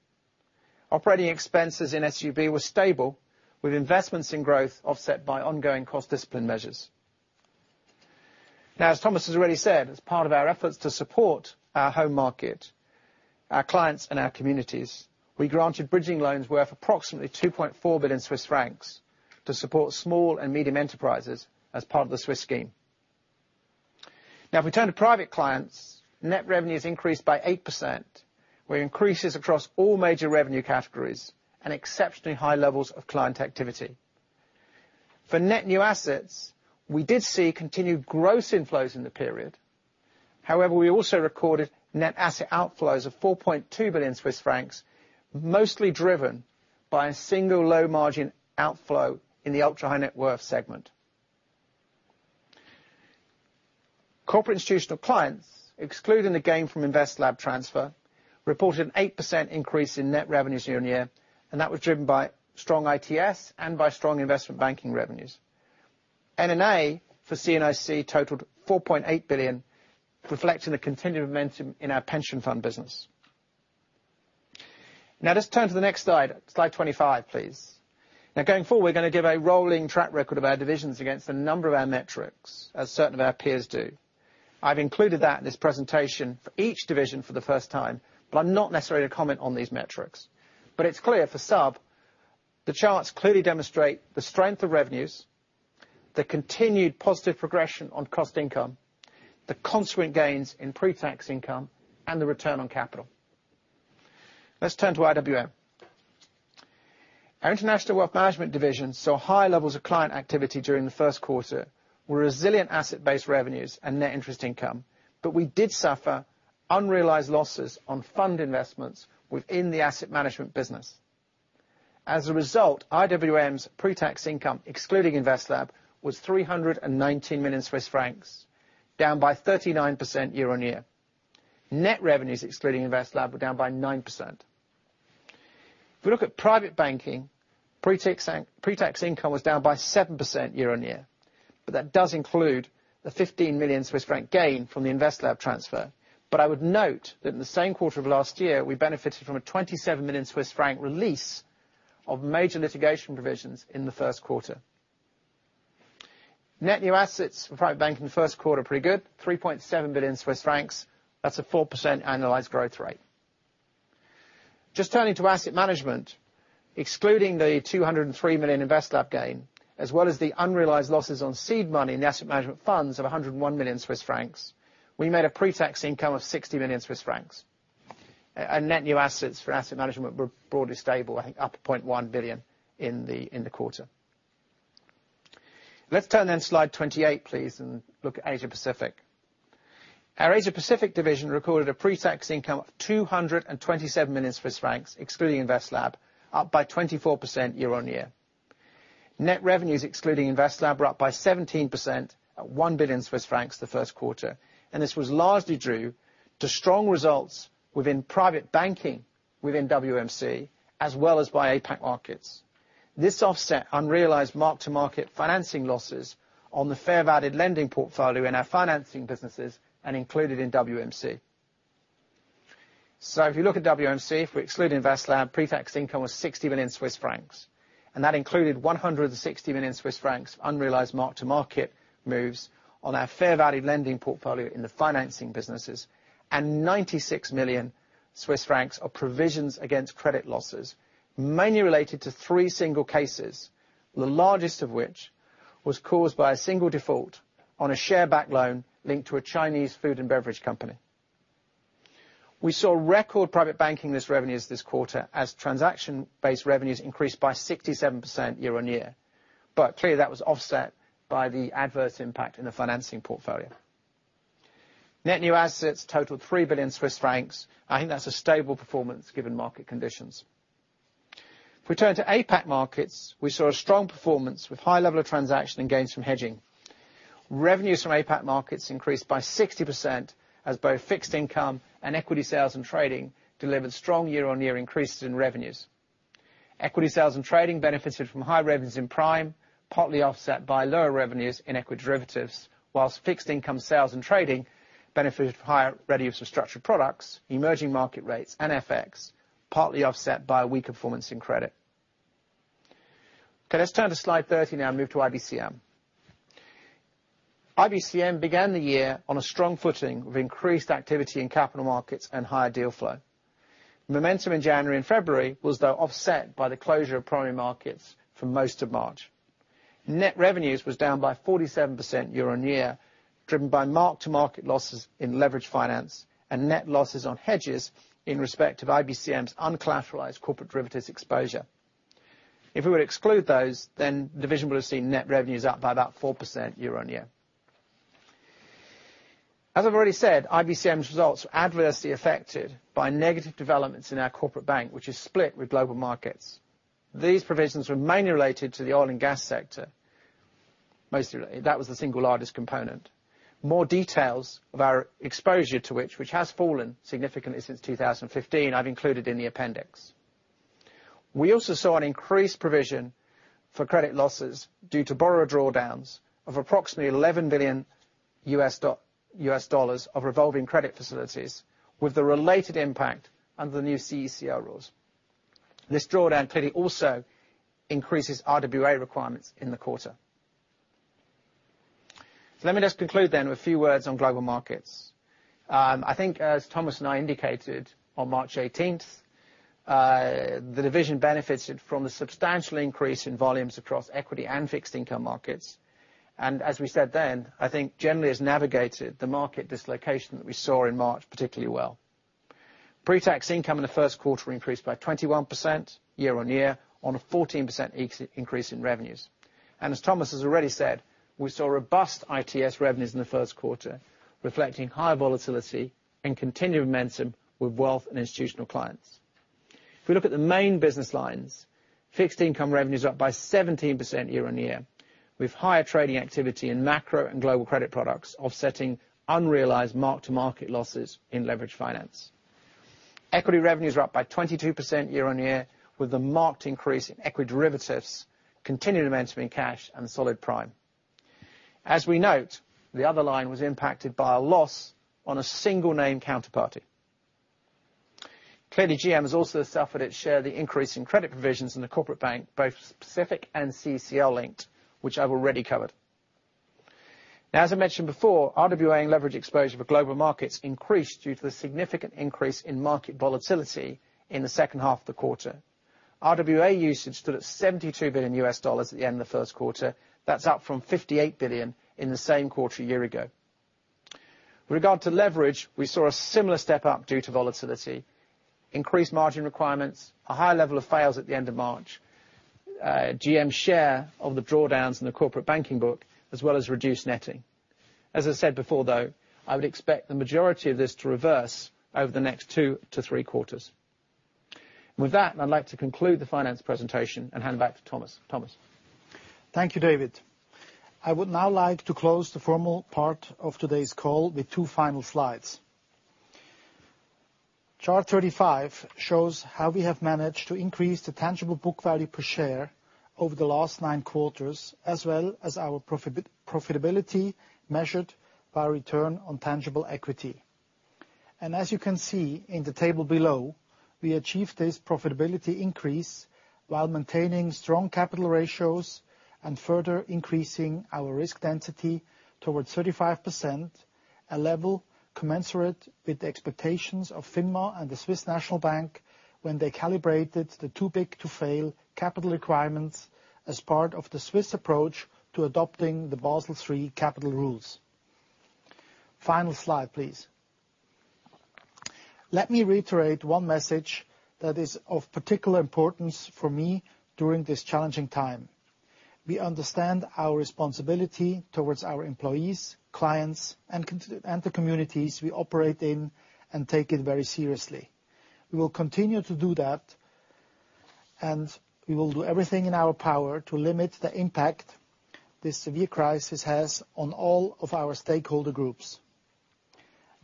S4: Operating expenses in SUB were stable, with investments in growth offset by ongoing cost discipline measures. As Thomas has already said, as part of our efforts to support our home market, our clients, and our communities, we granted bridging loans worth approximately 2.4 billion Swiss francs to support small and medium enterprises as part of the Swiss scheme. If we turn to private clients, net revenues increased by 8%, with increases across all major revenue categories and exceptionally high levels of client activity. For net new assets, we did see continued gross inflows in the period. However, we also recorded net asset outflows of 4.2 billion Swiss francs, mostly driven by a single low-margin outflow in the ultra-high net worth segment. Corporate & Institutional Clients, excluding the gain from InvestLab transfer, reported an 8% increase in net revenues year-on-year, that was driven by strong ITS and by strong investment banking revenues. NNA for C&IC totaled 4.8 billion, reflecting the continued momentum in our pension fund business. Let's turn to the next slide. Slide 25, please. Going forward, we're going to give a rolling track record of our divisions against a number of our metrics, as certain of our peers do. I've included that in this presentation for each division for the first time, but I'm not necessarily going to comment on these metrics. It's clear for SUB, the charts clearly demonstrate the strength of revenues, the continued positive progression on cost income, the consequent gains in pre-tax income, and the return on capital. Let's turn to IWM. Our International Wealth Management division saw high levels of client activity during the first quarter with resilient asset-based revenues and net interest income. We did suffer unrealized losses on fund investments within the Asset Management business. As a result, IWM's pre-tax income, excluding InvestLab, was 319 million Swiss francs, down by 39% year-on-year. Net revenues, excluding InvestLab, were down by 9%. If we look at private banking, pre-tax income was down by 7% year-on-year, but that does include the 15 million Swiss franc gain from the InvestLab transfer. I would note that in the same quarter of last year, we benefited from a 27 million Swiss franc release of major litigation provisions in the first quarter. Net new assets for private banking first quarter, pretty good, 3.7 billion Swiss francs. That's a 4% annualized growth rate. Just turning to Asset Management, excluding the 203 million InvestLab gain, as well as the unrealized losses on seed money in the Asset Management funds of 101 million Swiss francs, we made a pre-tax income of 60 million Swiss francs. Net new assets for Asset Management were broadly stable, I think up 0.1 billion in the quarter. Let's turn then to slide 28, please, and look at Asia-Pacific. Our Asia-Pacific division recorded a pre-tax income of 227 million Swiss francs, excluding InvestLab, up by 24% year-on-year. Net revenues, excluding InvestLab, were up by 17% at 1 billion Swiss francs the first quarter. This was largely due to strong results within private banking within WM&C, as well as by APAC markets. This offset unrealized mark-to-market financing losses on the fair-valued lending portfolio in our financing businesses and included in WM&C. If you look at WM&C, if we exclude InvestLab, pre-tax income was 60 million Swiss francs, that included 160 million Swiss francs of unrealized mark-to-market moves on our fair-valued lending portfolio in the financing businesses and 96 million Swiss francs of provisions against credit losses, mainly related to three single cases, the largest of which was caused by a single default on a share-back loan linked to a Chinese food and beverage company. We saw record private banking list revenues this quarter as transaction-based revenues increased by 67% year-on-year. Clearly, that was offset by the adverse impact in the financing portfolio. Net new assets totaled 3 billion Swiss francs. I think that's a stable performance given market conditions. If we turn to APAC markets, we saw a strong performance with high level of transaction and gains from hedging. Revenues from APAC markets increased by 60% as both fixed income and equity sales and trading delivered strong year-on-year increases in revenues. Equity sales and trading benefited from high revenues in prime, partly offset by lower revenues in equity derivatives, whilst fixed income sales and trading benefited from higher revenues from structured products, emerging market rates, and FX, partly offset by a weak performance in credit. Okay, let's turn to slide 30 now and move to IBCM. IBCM began the year on a strong footing with increased activity in capital markets and higher deal flow. Momentum in January and February was, though, offset by the closure of primary markets for most of March. Net revenues was down by 47% year-on-year, driven by mark-to-market losses in leveraged finance and net losses on hedges in respect of IBCM's uncollateralized corporate derivatives exposure. If we were to exclude those, then the division will have seen net revenues up by about 4% year-on-year. As I've already said, IBCM's results were adversely affected by negative developments in our corporate bank, which is split with global markets. These provisions were mainly related to the oil and gas sector. Mostly. That was the single largest component. More details of our exposure to which has fallen significantly since 2015, I've included in the appendix. We also saw an increased provision for credit losses due to borrower drawdowns of approximately $11 billion of revolving credit facilities with the related impact under the new CECL rules. This drawdown clearly also increases RWA requirements in the quarter. Let me just conclude then with a few words on global markets. As Thomas and I indicated on March 18th, the division benefited from the substantial increase in volumes across equity and fixed income markets, and as we said then, generally has navigated the market dislocation that we saw in March particularly well. Pre-tax income in the first quarter increased by 21% year-on-year on a 14% increase in revenues. As Thomas has already said, we saw robust ITS revenues in the first quarter, reflecting higher volatility and continued momentum with wealth and institutional clients. We look at the main business lines, fixed income revenue's up by 17% year-on-year, with higher trading activity in macro and global credit products offsetting unrealized mark-to-market losses in leveraged finance. Equity revenues are up by 22% year-on-year, with a marked increase in equity derivatives, continued momentum in cash, and solid prime. We note, the other line was impacted by a loss on a single-name counterparty. Clearly, GM has also suffered its share of the increase in credit provisions in the corporate bank, both specific and CECL linked, which I've already covered. Now, as I mentioned before, RWA and leverage exposure for global markets increased due to the significant increase in market volatility in the second half of the quarter. RWA usage stood at $72 billion at the end of the first quarter. That's up from $58 billion in the same quarter a year ago. With regard to leverage, we saw a similar step up due to volatility, increased margin requirements, a high level of fails at the end of March, GM's share of the drawdowns in the corporate banking book, as well as reduced netting. As I said before, though, I would expect the majority of this to reverse over the next two to three quarters. With that, I'd like to conclude the finance presentation and hand it back to Thomas. Thomas?
S3: Thank you, David. I would now like to close the formal part of today's call with two final slides. Chart 35 shows how we have managed to increase the tangible book value per share over the last nine quarters, as well as our profitability measured by return on tangible equity. As you can see in the table below, we achieved this profitability increase while maintaining strong capital ratios and further increasing our risk density towards 35%, a level commensurate with the expectations of FINMA and the Swiss National Bank when they calibrated the too-big-to-fail capital requirements as part of the Swiss approach to adopting the Basel III capital rules. Final slide, please. Let me reiterate one message that is of particular importance for me during this challenging time. We understand our responsibility towards our employees, clients, and the communities we operate in, and take it very seriously. We will continue to do that, and we will do everything in our power to limit the impact this severe crisis has on all of our stakeholder groups.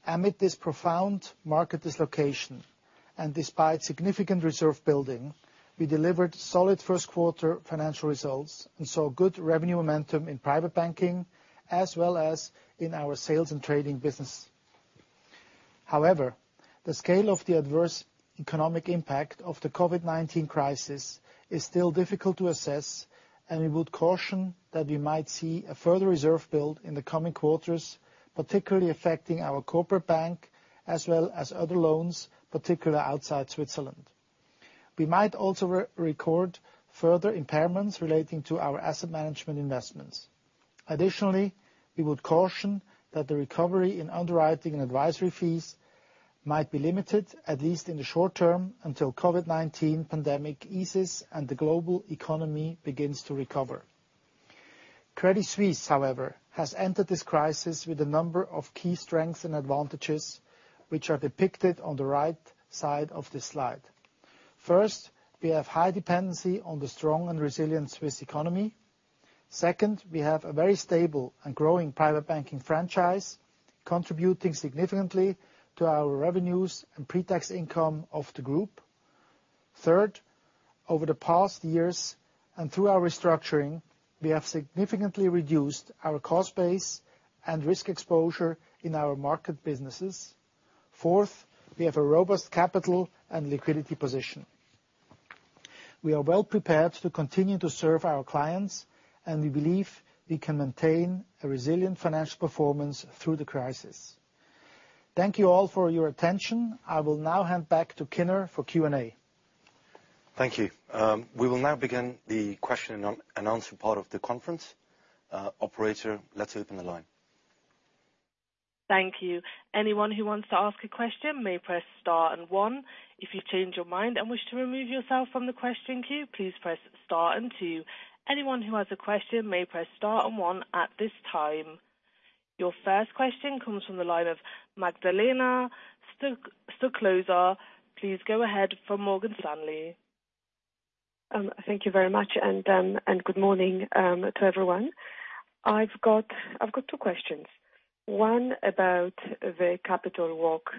S3: Amid this profound market dislocation, and despite significant reserve building, we delivered solid first quarter financial results and saw good revenue momentum in private banking, as well as in our sales and trading business. The scale of the adverse economic impact of the COVID-19 crisis is still difficult to assess, and we would caution that we might see a further reserve build in the coming quarters, particularly affecting our corporate bank as well as other loans, particularly outside Switzerland. We might also record further impairments relating to our asset management investments. Additionally, we would caution that the recovery in underwriting and advisory fees might be limited, at least in the short term, until COVID-19 pandemic eases and the global economy begins to recover. Credit Suisse, however, has entered this crisis with a number of key strengths and advantages, which are depicted on the right side of this slide. First, we have high dependency on the strong and resilient Swiss economy. Second, we have a very stable and growing private banking franchise, contributing significantly to our revenues and pre-tax income of the group. Third, over the past years and through our restructuring, we have significantly reduced our cost base and risk exposure in our market businesses. Fourth, we have a robust capital and liquidity position. We are well prepared to continue to serve our clients, and we believe we can maintain a resilient financial performance through the crisis. Thank you all for your attention. I will now hand back to Kinner for Q&A.
S2: Thank you. We will now begin the question and answer part of the conference. Operator, let's open the line.
S1: Thank you. Anyone who wants to ask a question may press star and one. If you change your mind and wish to remove yourself from the question queue, please press star and two. Anyone who has a question may press star and one at this time. Your first question comes from the line of Magdalena Stoklosa. Please go ahead, from Morgan Stanley.
S5: Thank you very much. Good morning to everyone. I've got two questions. One about the capital walk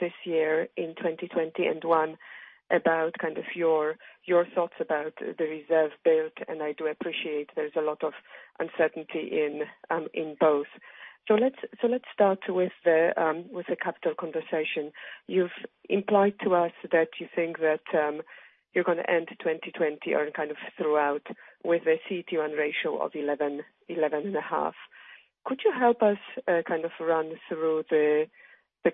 S5: this year in 2020, and one about your thoughts about the reserve build, I do appreciate there's a lot of uncertainty in both. Let's start with the capital conversation. You've implied to us that you think that you're going to end 2020, or throughout, with a CET1 ratio of 11.5%. Could you help us run through the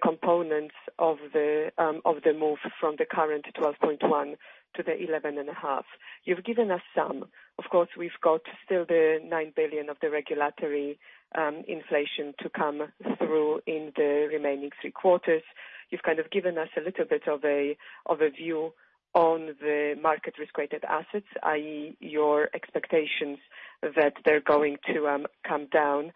S5: components of the move from the current 12.1% to the 11.5%? You've given us some. Of course, we've got still the 9 billion of the regulatory inflation to come through in the remaining three quarters. You've given us a little bit of a view on the market risk-weighted assets, i.e., your expectations that they're going to come down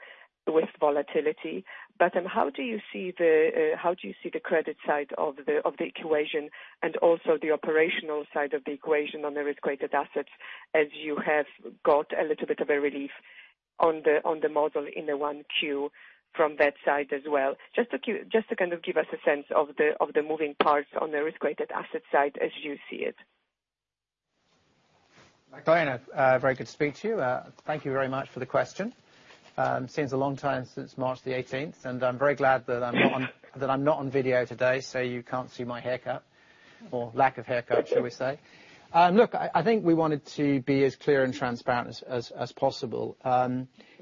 S5: with volatility. How do you see the credit side of the equation and also the operational side of the equation on the risk-weighted assets, as you have got a little bit of a relief on the model in the 1Q from that side as well. Just to kind of give us a sense of the moving parts on the risk-weighted asset side as you see it.
S4: Magdalena, very good to speak to you. Thank you very much for the question. Seems a long time since March the 18th. I'm very glad that I'm not on video today, you can't see my haircut or lack of haircut, shall we say. Look, I think we wanted to be as clear and transparent as possible.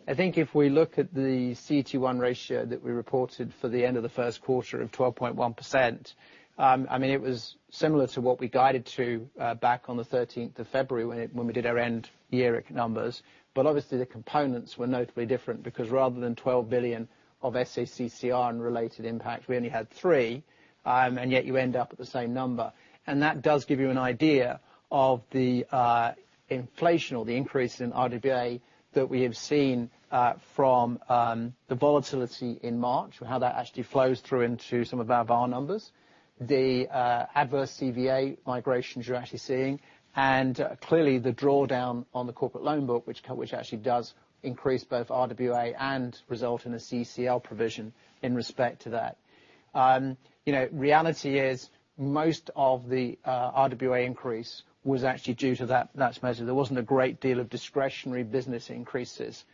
S4: I think if we look at the CET1 ratio that we reported for the end of the first quarter of 12.1%, it was similar to what we guided to back on the 13th of February when we did our end year numbers. Obviously the components were notably different because rather than 12 billion of SA-CCR and related impact, we only had three. Yet you end up at the same number. That does give you an idea of the inflation or the increase in RWA that we have seen from the volatility in March or how that actually flows through into some of our VaR numbers. The adverse CVA migrations you're actually seeing, and clearly the drawdown on the corporate loan book, which actually does increase both RWA and result in a CECL provision in respect to that. Reality is most of the RWA increase was actually due to that measure. There wasn't a great deal of discretionary business increases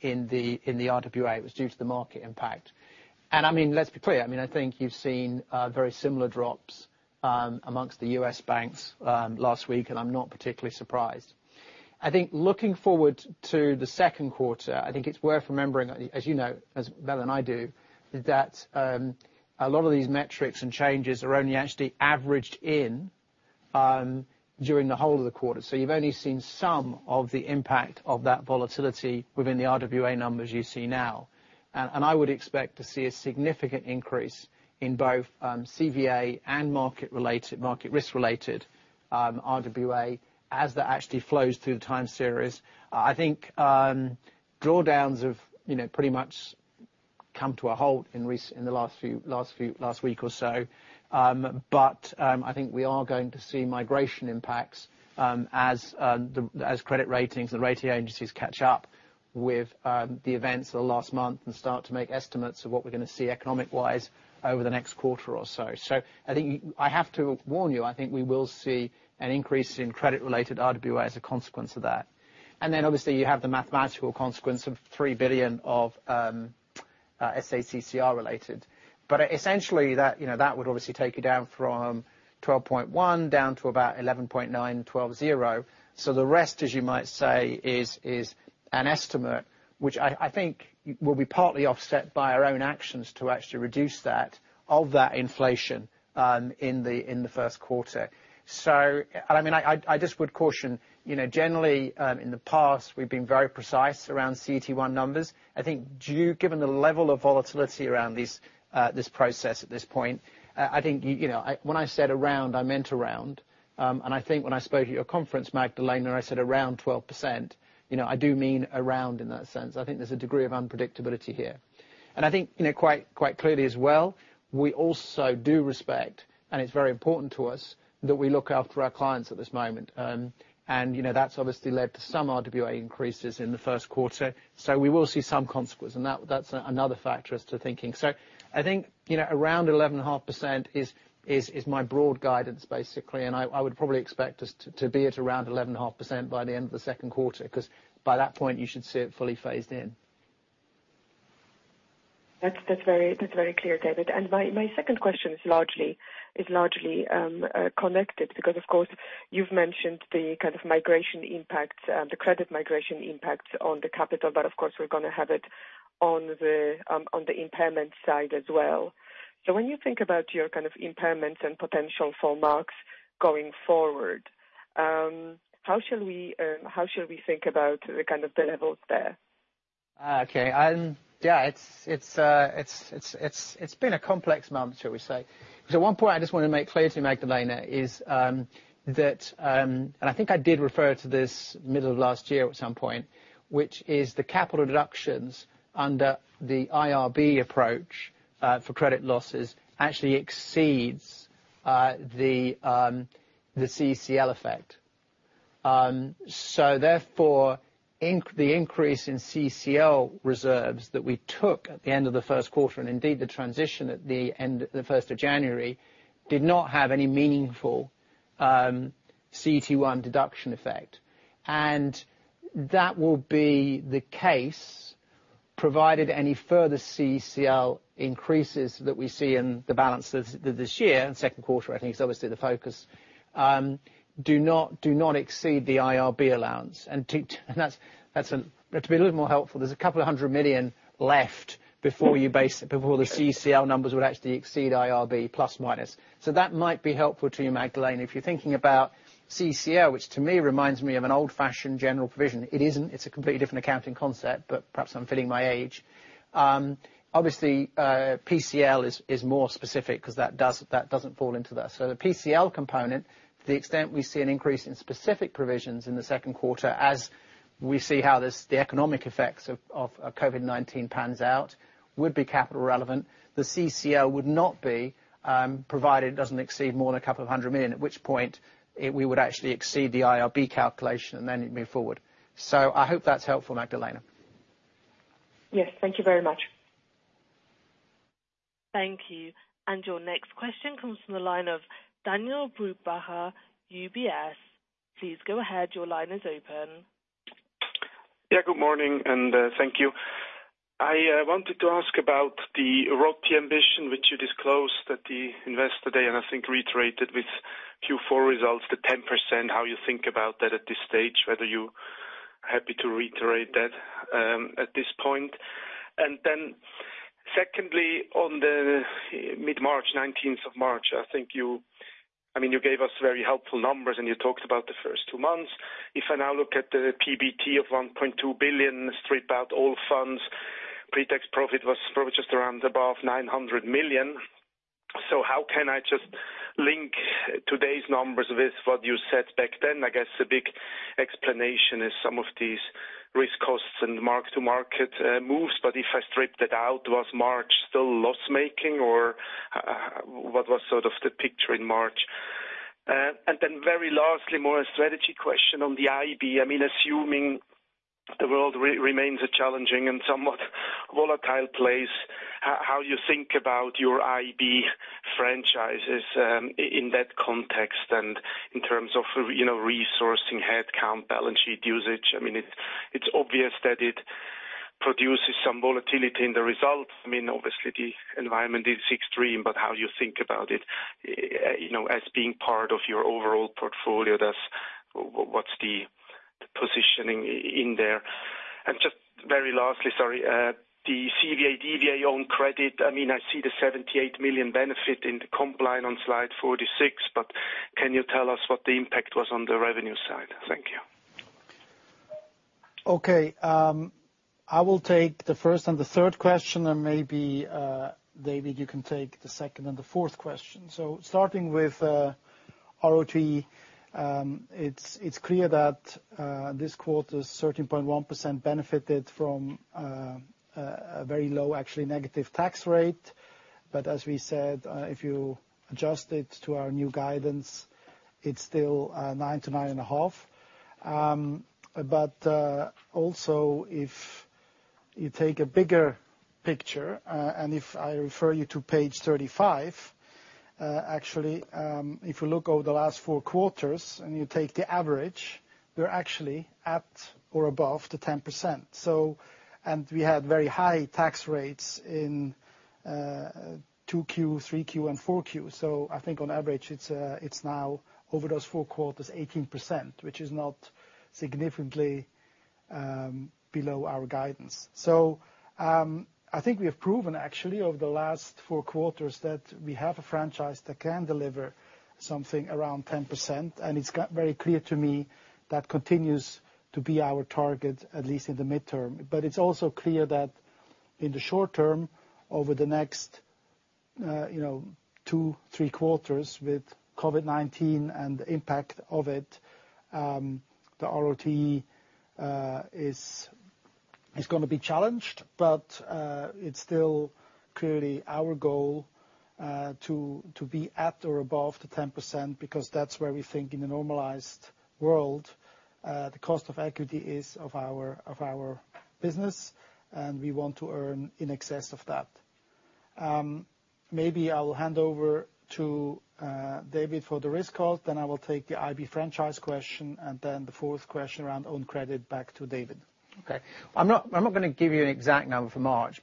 S4: in the RWA. It was due to the market impact. Let's be clear. I think you've seen very similar drops amongst the U.S. banks last week, and I'm not particularly surprised. I think looking forward to the second quarter, I think it's worth remembering, as you know better than I do, that a lot of these metrics and changes are only actually averaged in during the whole of the quarter. You've only seen some of the impact of that volatility within the RWA numbers you see now. I would expect to see a significant increase in both CVA and market risk related RWA as that actually flows through the time series. I think drawdowns have pretty much come to a halt in the last week or so. I think we are going to see migration impacts as credit ratings and rating agencies catch up with the events of last month and start to make estimates of what we're going to see economic-wise over the next quarter or so. I think I have to warn you, I think we will see an increase in credit-related RWA as a consequence of that. Obviously you have the mathematical consequence of 3 billion of SA-CCR related. Essentially that would obviously take you down from 12.1% down to about 11.9%, 12.0%. The rest, as you might say, is an estimate, which I think will be partly offset by our own actions to actually reduce that, of that inflation in the first quarter. I just would caution, generally in the past we've been very precise around CET1 numbers. I think given the level of volatility around this process at this point, when I said around, I meant around. I think when I spoke at your conference, Magdalena, I said around 12%. I do mean around in that sense. I think there's a degree of unpredictability here. I think quite clearly as well, we also do respect, and it's very important to us that we look after our clients at this moment. That's obviously led to some RWA increases in the first quarter. We will see some consequence. That's another factor as to thinking. I think, around 11.5% is my broad guidance, basically. I would probably expect us to be at around 11.5% by the end of the second quarter, because by that point, you should see it fully phased in.
S5: That's very clear, David. My second question is largely connected because, of course, you've mentioned the kind of migration impact, the credit migration impact on the capital. Of course, we're going to have it on the impairment side as well. When you think about your kind of impairments and potential for marks going forward, how should we think about the kind of the levels there?
S4: Okay. Yeah. It's been a complex month, shall we say. One point I just want to make clear to you, Magdalena, is that, and I think I did refer to this middle of last year at some point, which is the capital reductions under the IRB approach for credit losses actually exceeds the CECL effect. Therefore, the increase in CECL reserves that we took at the end of the first quarter, and indeed the transition at the end of the 1st of January, did not have any meaningful CET1 deduction effect. That will be the case provided any further CECL increases that we see in the balances this year and second quarter, I think is obviously the focus. Do not exceed the IRB allowance. To be a little more helpful, there's a couple of hundred million Swiss franc left before the CECL numbers would actually exceed IRB plus minus. That might be helpful to you, Magdalena. If you're thinking about CECL, which to me reminds me of an old-fashioned general provision. It isn't, it's a completely different accounting concept, but perhaps I'm feeling my age. Obviously PCL is more specific because that doesn't fall into that. The PCL component, to the extent we see an increase in specific provisions in the second quarter, as we see how the economic effects of COVID-19 pans out, would be capital relevant. The CECL would not be, provided it doesn't exceed more than a couple of hundred million Swiss franc, at which point we would actually exceed the IRB calculation and then move forward. I hope that's helpful, Magdalena.
S5: Yes. Thank you very much.
S1: Thank you. Your next question comes from the line of Daniele Brupbacher, UBS. Please go ahead. Your line is open.
S6: Yeah, good morning, and thank you. I wanted to ask about the RoTE ambition, which you disclosed at the Investor Day, and I think reiterated with Q4 results, the 10%, how you think about that at this stage, whether you're happy to reiterate that at this point. Secondly, on the mid-March, 19th of March, I think you gave us very helpful numbers, and you talked about the first two months. If I now look at the PBT of 1.2 billion, strip out Allfunds, pre-tax profit was probably just around above 900 million. How can I just link today's numbers with what you said back then? I guess a big explanation is some of these risk costs and mark-to-market moves. If I stripped it out, was March still loss-making, or what was sort of the picture in March? Very lastly, more a strategy question on the IB. Assuming the world remains a challenging and somewhat volatile place, how you think about your IB franchises in that context and in terms of resourcing, headcount, balance sheet usage. It's obvious that it produces some volatility in the results. Obviously, the environment is extreme, but how you think about it as being part of your overall portfolio, thus what's the positioning in there? Just very lastly, sorry, the CVA/DVA own credit. I see the 78 million benefit in the comp line on slide 46, but can you tell us what the impact was on the revenue side? Thank you.
S3: Okay. I will take the first and the third question, and maybe, David, you can take the second and the fourth question. Starting with RoTE. It's clear that this quarter's 13.1% benefited from a very low, actually negative tax rate. As we said, if you adjust it to our new guidance, it's still 9%-9.5%. Also, if you take a bigger picture, and if I refer you to page 35. Actually, if you look over the last four quarters and you take the average, we're actually at or above the 10%. We had very high tax rates in 2Q, 3Q, and 4Q. I think on average it's now over those four quarters, 18%, which is not significantly below our guidance. I think we have proven actually over the last four quarters that we have a franchise that can deliver something around 10%. It's very clear to me that continues to be our target, at least in the midterm. It's also clear that in the short term, over the next two, three quarters with COVID-19 and the impact of it, the RoTE is going to be challenged. It's still clearly our goal to be at or above the 10%, because that's where we think in a normalized world the cost of equity is of our business, and we want to earn in excess of that. Maybe I will hand over to David for the risk calls, then I will take the IB franchise question, and then the fourth question around own credit back to David.
S4: Okay. I'm not going to give you an exact number for March,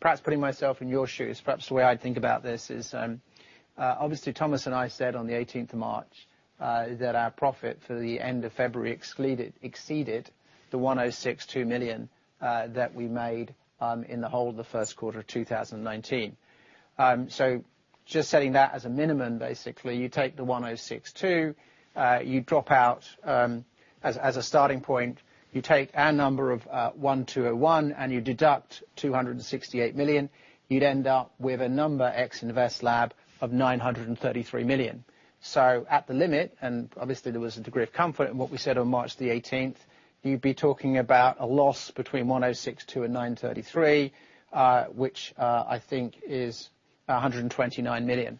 S4: perhaps putting myself in your shoes, perhaps the way I'd think about this is, obviously Thomas and I said on the 18th of March that our profit for the end of February exceeded the 1,062 million that we made in the whole of the first quarter of 2019. Just setting that as a minimum, basically, you take the 106.2, you drop out as a starting point. You take our number of 1,201 million and you deduct 268 million. You'd end up with a number ex InvestLab of 933 million. At the limit, and obviously there was a degree of comfort in what we said on March the 18th, you'd be talking about a loss between 1,062 million and 933 million, which I think is 129 million.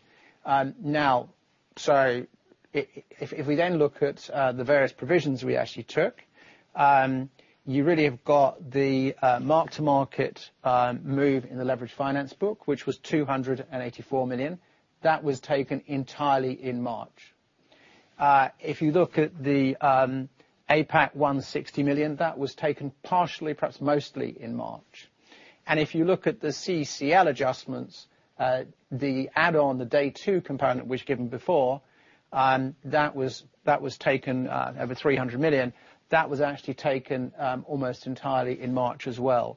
S4: If we then look at the various provisions we actually took, you really have got the mark-to-market move in the Leveraged Finance book, which was 284 million. That was taken entirely in March. If you look at the APAC 160 million, that was taken partially, perhaps mostly in March. If you look at the CECL adjustments, the add-on, the day two component, which given before, that was taken over 300 million. That was actually taken almost entirely in March as well.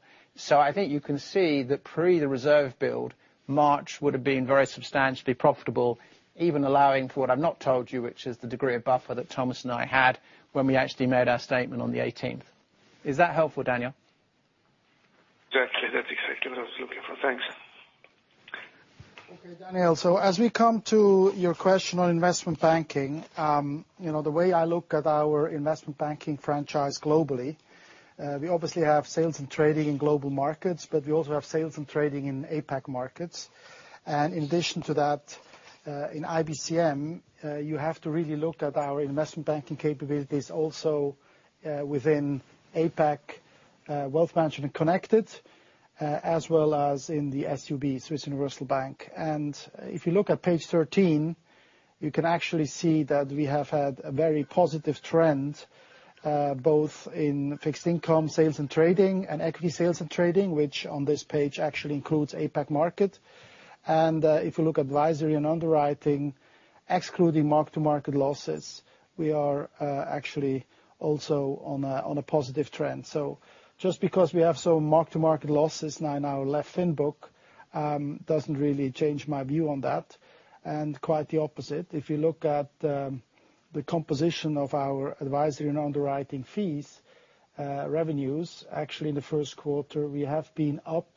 S4: I think you can see that pre the reserve build, March would have been very substantially profitable, even allowing for what I've not told you, which is the degree of buffer that Thomas and I had when we actually made our statement on the 18th March. Is that helpful, Daniel?
S6: Definitely. That's exactly what I was looking for. Thanks.
S3: Okay, Daniel. As we come to your question on investment banking. The way I look at our investment banking franchise globally, we obviously have sales and trading in global markets, but we also have sales and trading in APAC Markets. In addition to that, in IBCM, you have to really look at our investment banking capabilities also within APAC Wealth Management & Connected, as well as in the SUB, Swiss Universal Bank. If you look at page 13, you can actually see that we have had a very positive trend, both in fixed income sales and trading and equity sales and trading, which on this page actually includes APAC Markets. If you look advisory and underwriting, excluding mark-to-market losses, we are actually also on a positive trend. Just because we have some mark-to-market losses now in our lev fin book, doesn't really change my view on that. Quite the opposite. If you look at the composition of our advisory and underwriting fees, revenues, actually in the first quarter, we have been up,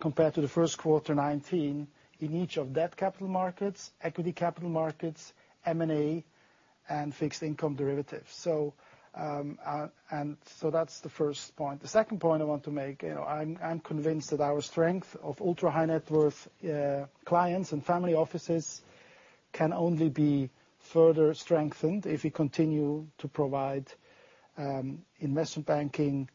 S3: compared to the first quarter 2019, in each of debt capital markets, equity capital markets, M&A and fixed income derivatives. That's the first point. The second point I want to make, I'm convinced that our strength of ultra high net worth clients and family offices can only be further strengthened if we continue to provide investment banking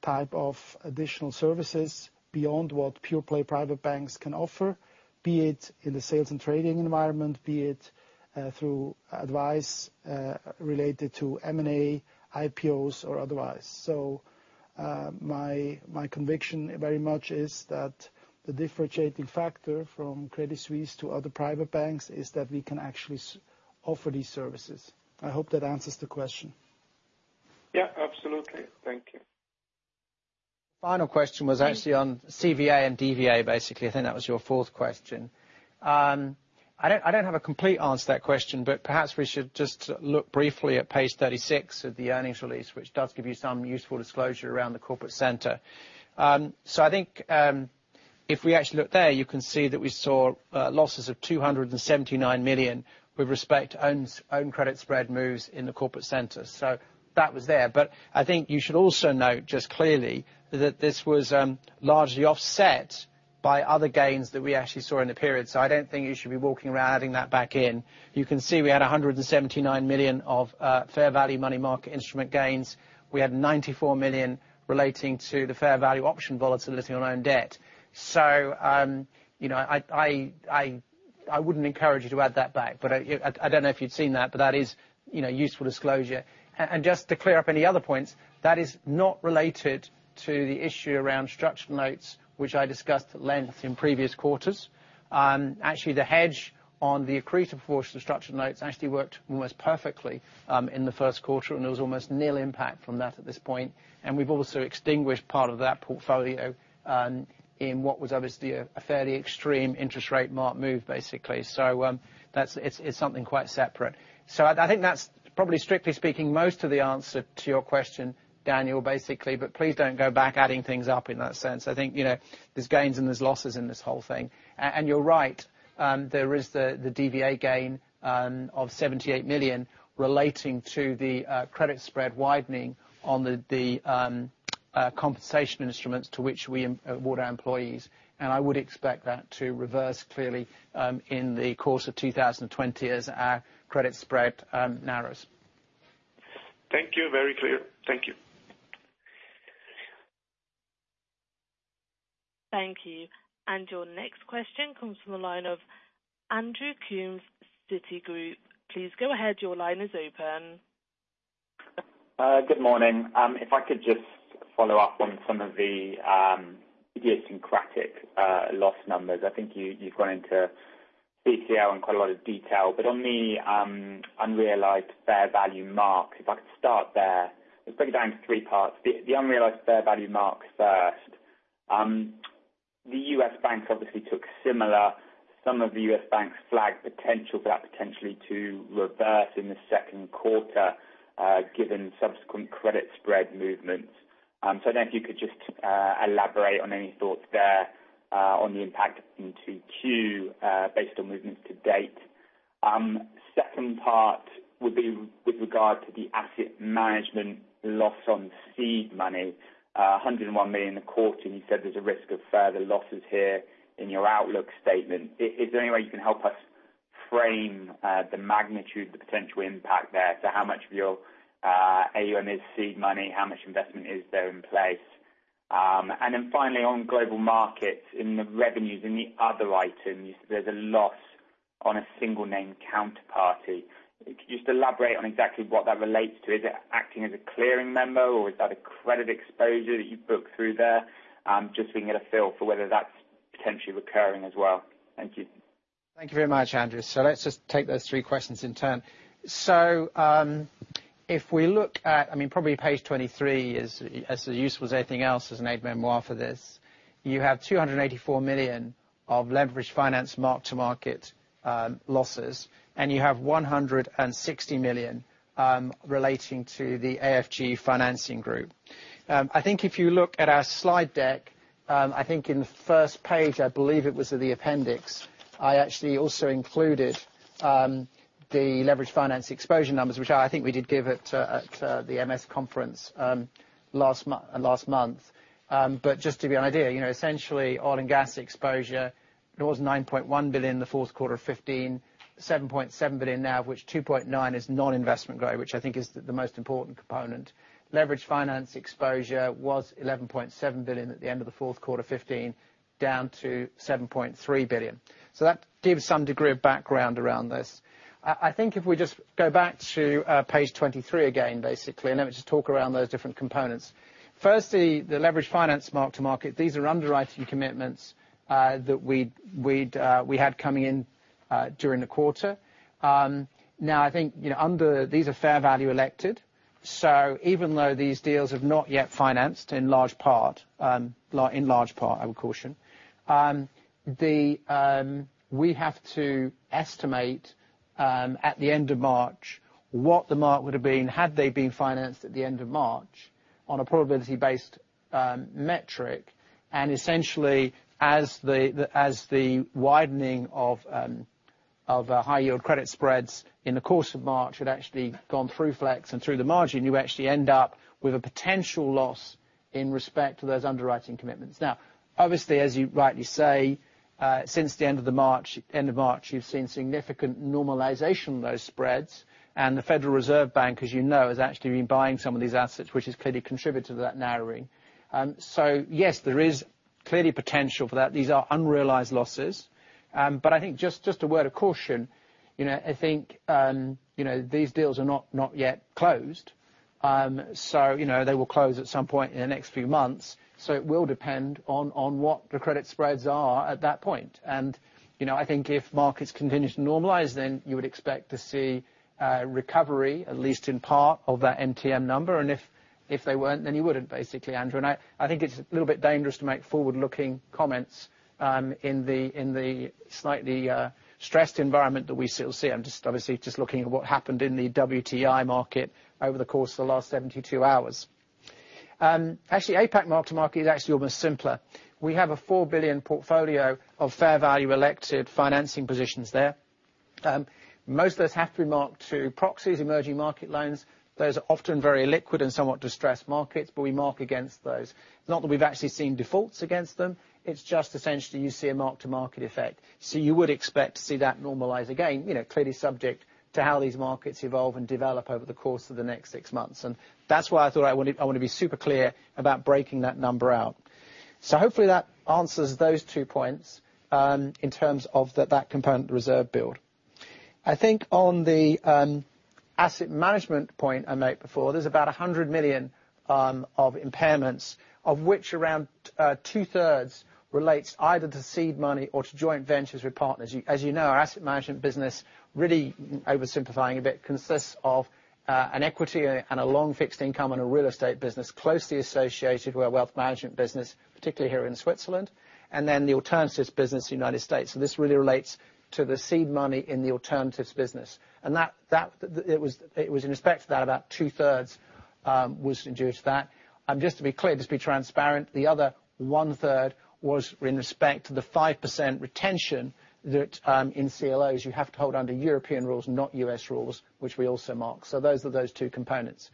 S3: type of additional services beyond what pure play private banks can offer, be it in the sales and trading environment, be it through advice related to M&A, IPOs or otherwise. My conviction very much is that the differentiating factor from Credit Suisse to other private banks is that we can actually offer these services. I hope that answers the question.
S6: Yeah, absolutely. Thank you.
S4: Final question was actually on CVA and DVA, basically. I think that was your fourth question. I don't have a complete answer to that question, but perhaps we should just look briefly at page 36 of the earnings release, which does give you some useful disclosure around the Corporate Center. I think, if we actually look there, you can see that we saw losses of 279 million with respect to own credit spread moves in the Corporate Center. That was there. I think you should also note just clearly that this was largely offset by other gains that we actually saw in the period. I don't think you should be walking around adding that back in. You can see we had 179 million of fair value money market instrument gains. We had 94 million relating to the fair value option volatility on own debt. I wouldn't encourage you to add that back, but I don't know if you'd seen that, but that is useful disclosure. Just to clear up any other points, that is not related to the issue around structured notes, which I discussed at length in previous quarters. Actually, the hedge on the accretive portion of structured notes actually worked almost perfectly in the first quarter, and there was almost nil impact from that at this point. We've also extinguished part of that portfolio, in what was obviously a fairly extreme interest rate mark move, basically. It's something quite separate. I think that's probably strictly speaking, most of the answer to your question, Daniele, basically. Please don't go back adding things up in that sense. I think there's gains and there's losses in this whole thing. You're right, there is the DVA gain of 78 million relating to the credit spread widening on the compensation instruments to which we award our employees. I would expect that to reverse clearly, in the course of 2020 as our credit spread narrows.
S6: Thank you. Very clear. Thank you.
S1: Thank you. Your next question comes from the line of Andrew Coombs, Citigroup. Please go ahead. Your line is open.
S7: Good morning. If I could just follow up on some of the idiosyncratic loss numbers. I think you've gone into PCL in quite a lot of detail, but on the unrealized fair value mark, if I could start there. Let's break it down into three parts. The unrealized fair value marks first. The U.S. banks obviously took similar, some of the U.S. banks flagged potential for that potentially to reverse in the second quarter, given subsequent credit spread movements. I don't know if you could just elaborate on any thoughts there, on the impact into Q, based on movements to date. Second part would be with regard to the asset management loss on seed money, 101 million a quarter. You said there's a risk of further losses here in your outlook statement. Is there any way you can help us frame the magnitude, the potential impact there? How much of your AUM is seed money? How much investment is there in place? Finally on global markets, in the revenues, in the other items, there's a loss on a single name counterparty. Could you just elaborate on exactly what that relates to? Is it acting as a clearing member or is that a credit exposure that you book through there? Just so we can get a feel for whether that's potentially recurring as well. Thank you.
S4: Thank you very much, Andrew. Let's just take those three questions in turn. If we look at, probably page 23 is as useful as anything else as an aide-mémoire for this. You have 284 million of leveraged finance mark-to-market losses, and you have 160 million relating to the APAC financing group. I think if you look at our slide deck, I think in the first page, I believe it was the appendix, I actually also included the leveraged finance exposure numbers, which I think we did give at the MS conference last month. Just to give you an idea, essentially oil and gas exposure, it was 9.1 billion the fourth quarter of 2015, 7.7 billion now, which 2.9 is non-investment grade, which I think is the most important component. Leveraged finance exposure was 11.7 billion at the end of the fourth quarter 2015, down to 7.3 billion. That gives some degree of background around this. I think if we just go back to page 23 again, basically, and let me just talk around those different components. Firstly, the lev fin mark to market. These are underwriting commitments that we had coming in during the quarter. I think, these are fair value elected, so even though these deals have not yet financed in large part, I would caution. We have to estimate, at the end of March, what the mark would've been had they been financed at the end of March on a probability-based metric. Essentially, as the widening of our high yield credit spreads in the course of March had actually gone through flex and through the margin, you actually end up with a potential loss in respect to those underwriting commitments. Now, obviously, as you rightly say, since the end of March, you've seen significant normalization of those spreads, and the Federal Reserve Bank, as you know, has actually been buying some of these assets, which has clearly contributed to that narrowing. Yes, there is clearly potential for that. These are unrealized losses. I think just a word of caution, I think these deals are not yet closed. They will close at some point in the next few months. It will depend on what the credit spreads are at that point. I think if markets continue to normalize, then you would expect to see recovery, at least in part, of that MTM number. If they weren't, then you wouldn't, basically, Andrew. I think it's a little bit dangerous to make forward-looking comments in the slightly stressed environment that we still see. I'm obviously just looking at what happened in the WTI market over the course of the last 72 hours. APAC mark-to-market is actually almost simpler. We have a $4 billion portfolio of fair value elected financing positions there. Most of those have to be marked to proxies, emerging market loans. Those are often very illiquid and somewhat distressed markets, we mark against those. Not that we've actually seen defaults against them. It's just essentially you see a mark-to-market effect. You would expect to see that normalize again, clearly subject to how these markets evolve and develop over the course of the next six months. That's why I thought I want to be super clear about breaking that number out. Hopefully that answers those two points, in terms of that component reserve build. I think on the Asset Management point I made before, there's about 100 million of impairments, of which around two-thirds relates either to seed money or to joint ventures with partners. As you know, our Asset Management business really, oversimplifying a bit, consists of an equity and a long fixed income and a real estate business closely associated with our Wealth Management business, particularly here in Switzerland, and then the alternatives business in the U.S. This really relates to the seed money in the alternatives business. It was in respect to that, about two-thirds was due to that. Just to be clear, just be transparent, the other one-third was in respect to the 5% retention that in CLOs you have to hold under European rules, not U.S. rules, which we also mark. Those are those two components.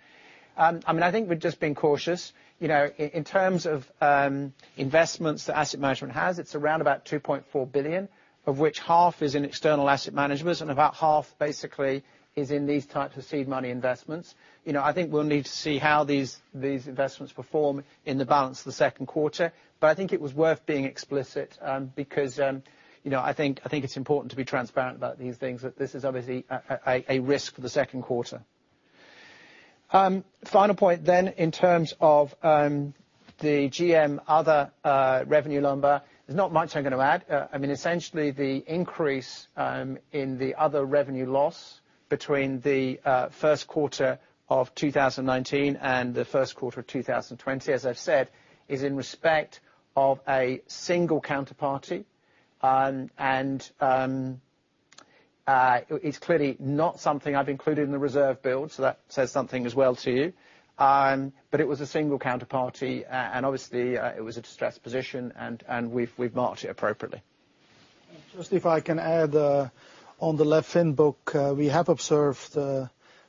S4: I think we're just being cautious. In terms of investments that Asset Management has, it's around about 2.4 billion, of which half is in external asset management and about half basically is in these types of seed money investments. I think we'll need to see how these investments perform in the balance of the second quarter. I think it was worth being explicit, because I think it's important to be transparent about these things, that this is obviously a risk for the second quarter. Final point, in terms of the GM other revenue number, there's not much I'm going to add. Essentially, the increase in the other revenue loss between the first quarter of 2019 and the first quarter of 2020, as I've said, is in respect of a single counterparty. It's clearly not something I've included in the reserve build, so that says something as well to you. It was a single counterparty, and obviously, it was a distressed position, and we have marked it appropriately.
S3: Just if I can add, on the lev fin book, we have observed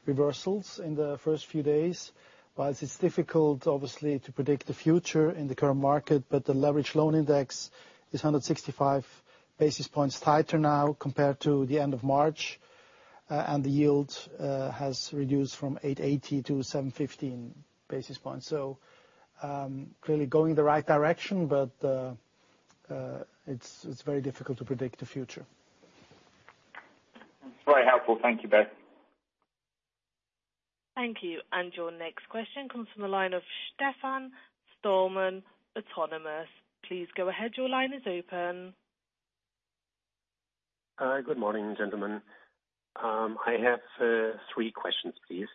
S3: reversals in the first few days. It's difficult, obviously, to predict the future in the current market, but the leverage loan index is 165 basis points tighter now compared to the end of March. The yield has reduced from 880 to 715 basis points. Clearly going the right direction, but it's very difficult to predict the future.
S7: Very helpful. Thank you, both.
S1: Thank you. Your next question comes from the line of Stefan Stalmann, Autonomous. Please go ahead. Your line is open.
S8: Good morning, gentlemen. I have three questions, please.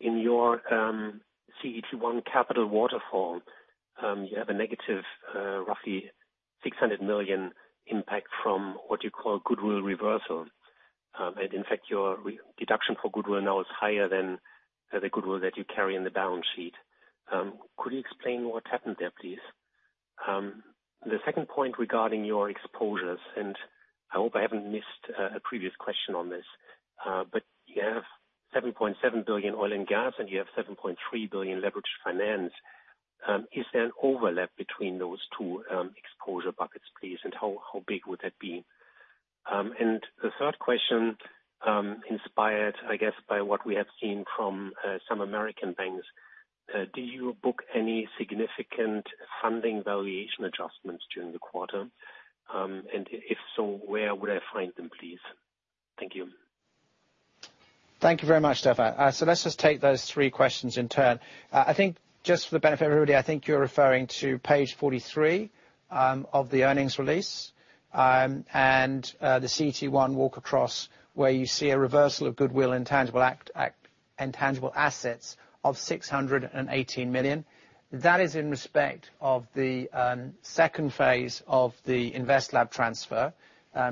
S8: In your CET1 capital waterfall, you have a negative roughly 600 million impact from what you call goodwill reversal. In fact, your deduction for goodwill now is higher than the goodwill that you carry in the balance sheet. Could you explain what happened there, please? The second point regarding your exposures, I hope I haven't missed a previous question on this, you have 7.7 billion oil and gas, and you have 7.3 billion leveraged finance. Is there an overlap between those two exposure buckets, please? How big would that be? The third question, inspired by what we have seen from some American banks. Did you book any significant funding valuation adjustments during the quarter? If so, where would I find them, please? Thank you.
S4: Thank you very much, Stefan. Let's just take those three questions in turn. I think just for the benefit of everybody, I think you're referring to page 43 of the earnings release. The CET1 walk across where you see a reversal of goodwill and tangible assets of 618 million. That is in respect of the second phase of the InvestLab transfer,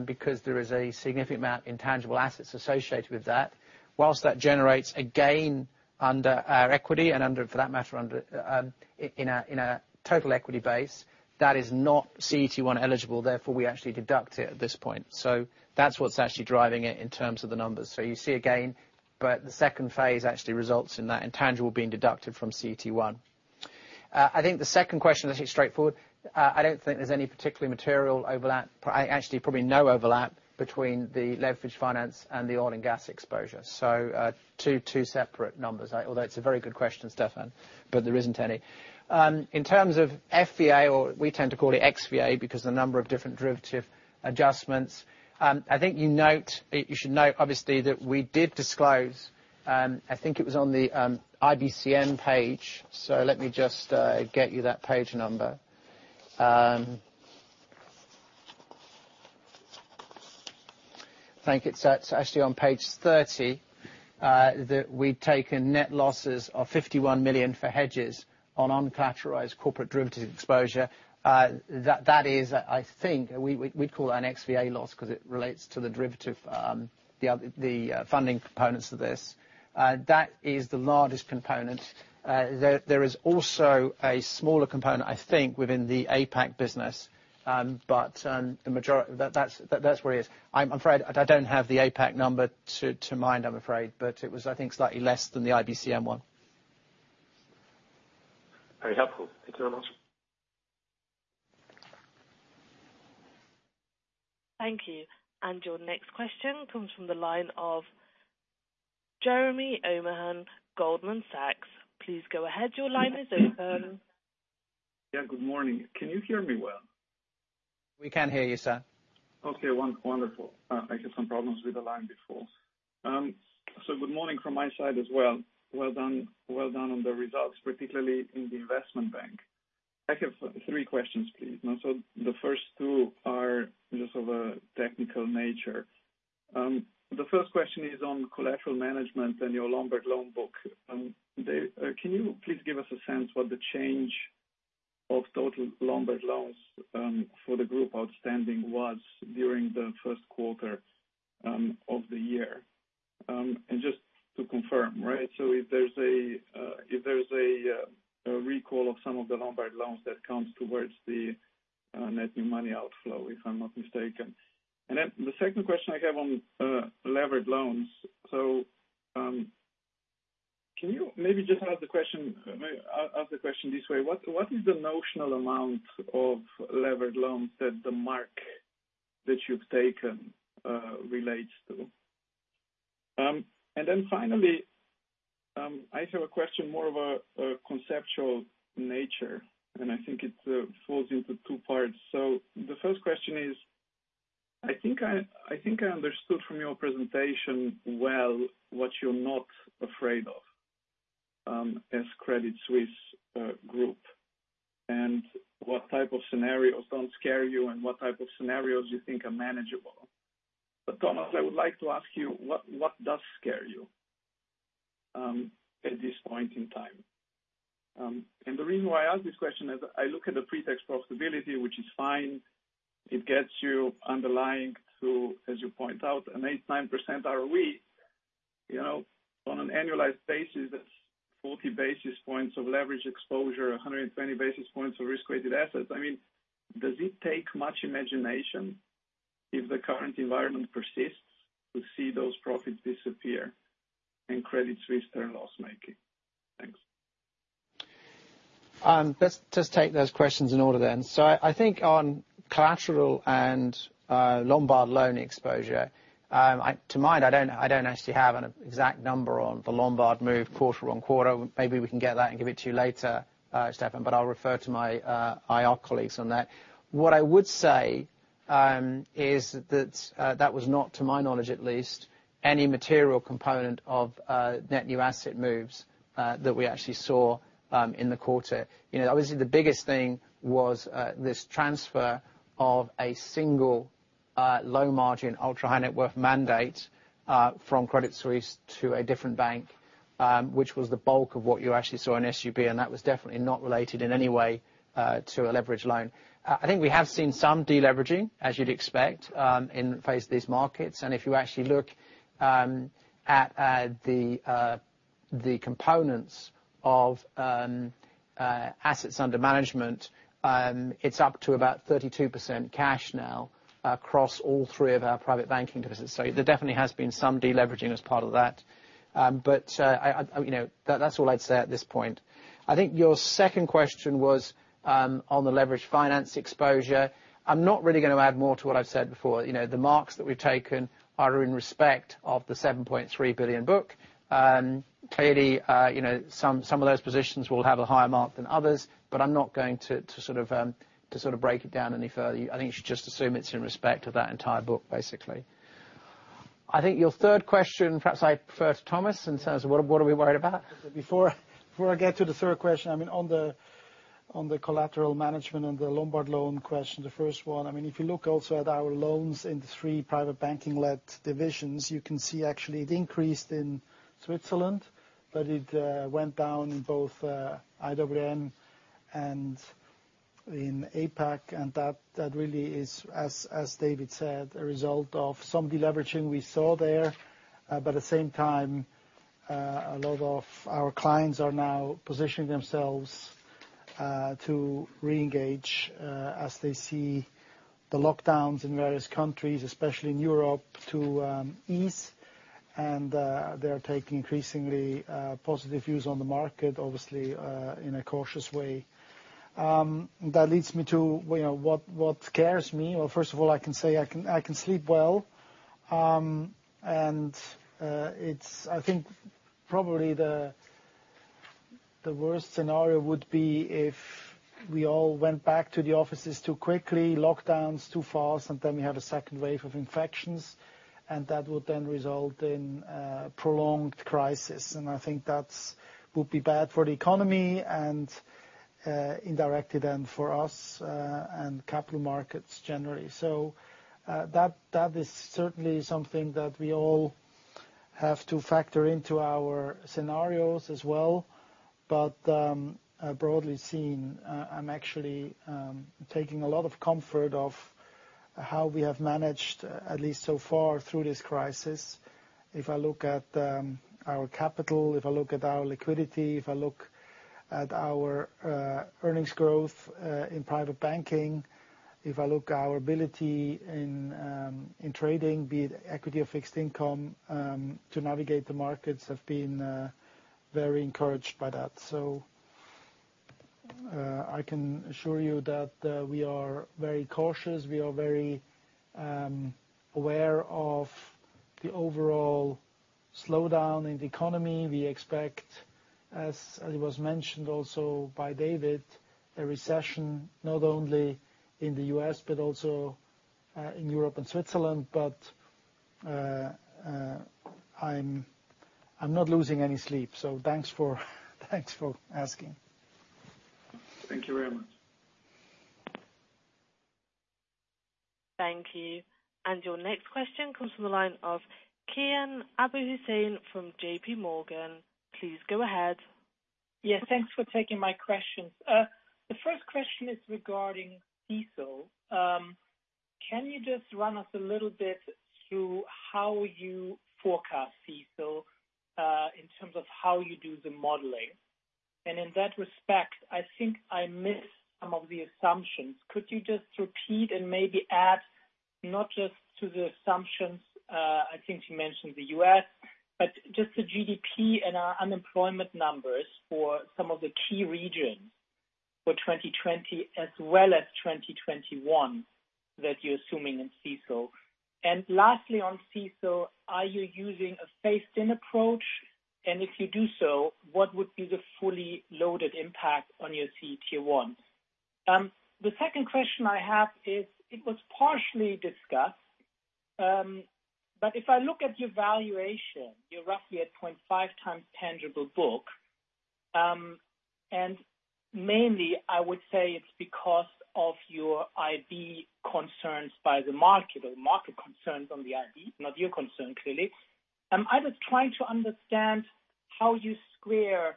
S4: because there is a significant amount in tangible assets associated with that. Whilst that generates a gain under our equity and, for that matter, in our total equity base, that is not CET1 eligible, therefore, we actually deduct it at this point. That's what's actually driving it in terms of the numbers. You see a gain, but the second phase actually results in that intangible being deducted from CET1. I think the second question is actually straightforward. I don't think there's any particular material overlap, actually probably no overlap between the leveraged finance and the oil and gas exposure. Two separate numbers. Although it's a very good question, Stefan. There isn't any. In terms of FVA, or we tend to call it XVA, because of the number of different derivative adjustments. I think you should note, obviously, that we did disclose, I think it was on the IBCM page, let me just get you that page number. I think it's actually on page 30 that we'd taken net losses of 51 million for hedges on uncollateralized corporate derivative exposure. That is, I think, we'd call it an XVA loss because it relates to the derivative, the funding components of this. That is the largest component. There is also a smaller component within the APAC business. That's where it is. I'm afraid I don't have the APAC number to mind, I'm afraid, but it was slightly less than the IBCM one.
S8: Very helpful. Thank you very much.
S1: Thank you. Your next question comes from the line of Jernej Omahen, Goldman Sachs. Please go ahead. Your line is open.
S9: Yeah. Good morning. Can you hear me well?
S4: We can hear you, sir.
S9: Okay, wonderful. I had some problems with the line before. Good morning from my side as well. Well done on the results, particularly in the investment bank. I have three questions, please. The first two are just of a technical nature. The first question is on collateral management and your lombard loan book. Can you please give us a sense what the change of total lombard loans for the group outstanding was during the first quarter of the year? Just to confirm, right. If there's a recall of some of the lombard loans that comes towards the net new money outflow, if I'm not mistaken. The second question I have on leverage loans. Can you maybe just ask the question this way, what is the notional amount of levered loans that the mark that you've taken relates to? Finally, I have a question more of a conceptual nature, and I think it falls into two parts. The first question is, I think I understood from your presentation well what you're not afraid of as Credit Suisse Group, and what type of scenarios don't scare you and what type of scenarios you think are manageable. Thomas, I would like to ask you, what does scare you at this point in time? The reason why I ask this question is I look at the pre-tax profitability, which is fine. It gets you underlying to, as you point out, a 9% ROE. On an annualized basis, that's 40 basis points of leverage exposure, 120 basis points of risk-weighted assets. Does it take much imagination if the current environment persists to see those profits disappear and Credit Suisse return loss-making? Thanks.
S4: Let's just take those questions in order. I think on collateral and lombard loan exposure. To mind, I don't actually have an exact number on the lombard move quarter on quarter. Maybe we can get that and give it to you later, Stefan, but I'll refer to my IR colleagues on that. What I would say is that that was not, to my knowledge at least, any material component of net new asset moves that we actually saw in the quarter. Obviously, the biggest thing was this transfer of a single low margin, ultra high net worth mandate from Credit Suisse to a different bank, which was the bulk of what you actually saw in SUB, and that was definitely not related in any way to a leverage loan. I think we have seen some de-leveraging, as you'd expect, in the face of these markets. If you actually look at the components of assets under management, it's up to about 32% cash now across all three of our private banking divisions. There definitely has been some de-leveraging as part of that. That's all I'd say at this point. I think your second question was on the leveraged finance exposure. I'm not really going to add more to what I've said before. The marks that we've taken are in respect of the $7.3 billion book. Clearly, some of those positions will have a higher mark than others, but I'm not going to break it down any further. I think you should just assume it's in respect of that entire book, basically. I think your third question, perhaps I refer to Thomas, in terms of what are we worried about.
S3: Before I get to the third question, on the collateral management and the Lombard loan question, the first one. If you look also at our loans in the three private banking-led divisions, you can see actually it increased in Switzerland, but it went down in both IWM and in APAC, and that really is, as David said, a result of some deleveraging we saw there. At the same time, a lot of our clients are now positioning themselves to reengage as they see the lockdowns in various countries, especially in Europe, to ease. They are taking increasingly positive views on the market, obviously, in a cautious way. That leads me to what scares me. Well, first of all, I can say I can sleep well. I think probably the worst scenario would be if we all went back to the offices too quickly, lockdowns too fast, and then we have a second wave of infections, and that would then result in a prolonged crisis. I think that would be bad for the economy and indirectly then for us and capital markets generally. That is certainly something that we all have to factor into our scenarios as well. Broadly seen, I'm actually taking a lot of comfort of how we have managed, at least so far, through this crisis. If I look at our capital, if I look at our liquidity, if I look at our earnings growth in private banking. If I look our ability in trading, be it equity or fixed income, to navigate the markets, I've been very encouraged by that. I can assure you that we are very cautious. We are very aware of the overall slowdown in the economy. We expect, as it was mentioned also by David, a recession not only in the U.S. but also in Europe and Switzerland. I'm not losing any sleep. Thanks for asking.
S9: Thank you very much.
S1: Thank you. Your next question comes from the line of Kian Abouhossein from JPMorgan. Please go ahead.
S10: Thanks for taking my questions. The first question is regarding CECL. Can you just run us a little bit through how you forecast CECL, in terms of how you do the modeling? In that respect, I think I missed some of the assumptions. Could you just repeat and maybe add not just to the assumptions, I think you mentioned the U.S., but just the GDP and our unemployment numbers for some of the key regions for 2020 as well as 2021 that you're assuming in CECL. Lastly, on CECL, are you using a phased-in approach? If you do so, what would be the fully loaded impact on your CET1? The second question I have is, it was partially discussed, but if I look at your valuation, you're roughly at 0.25 times tangible book. Mainly, I would say it's because of your IB concerns by the market or the market concerns on the IB, not your concern clearly. I was trying to understand how you square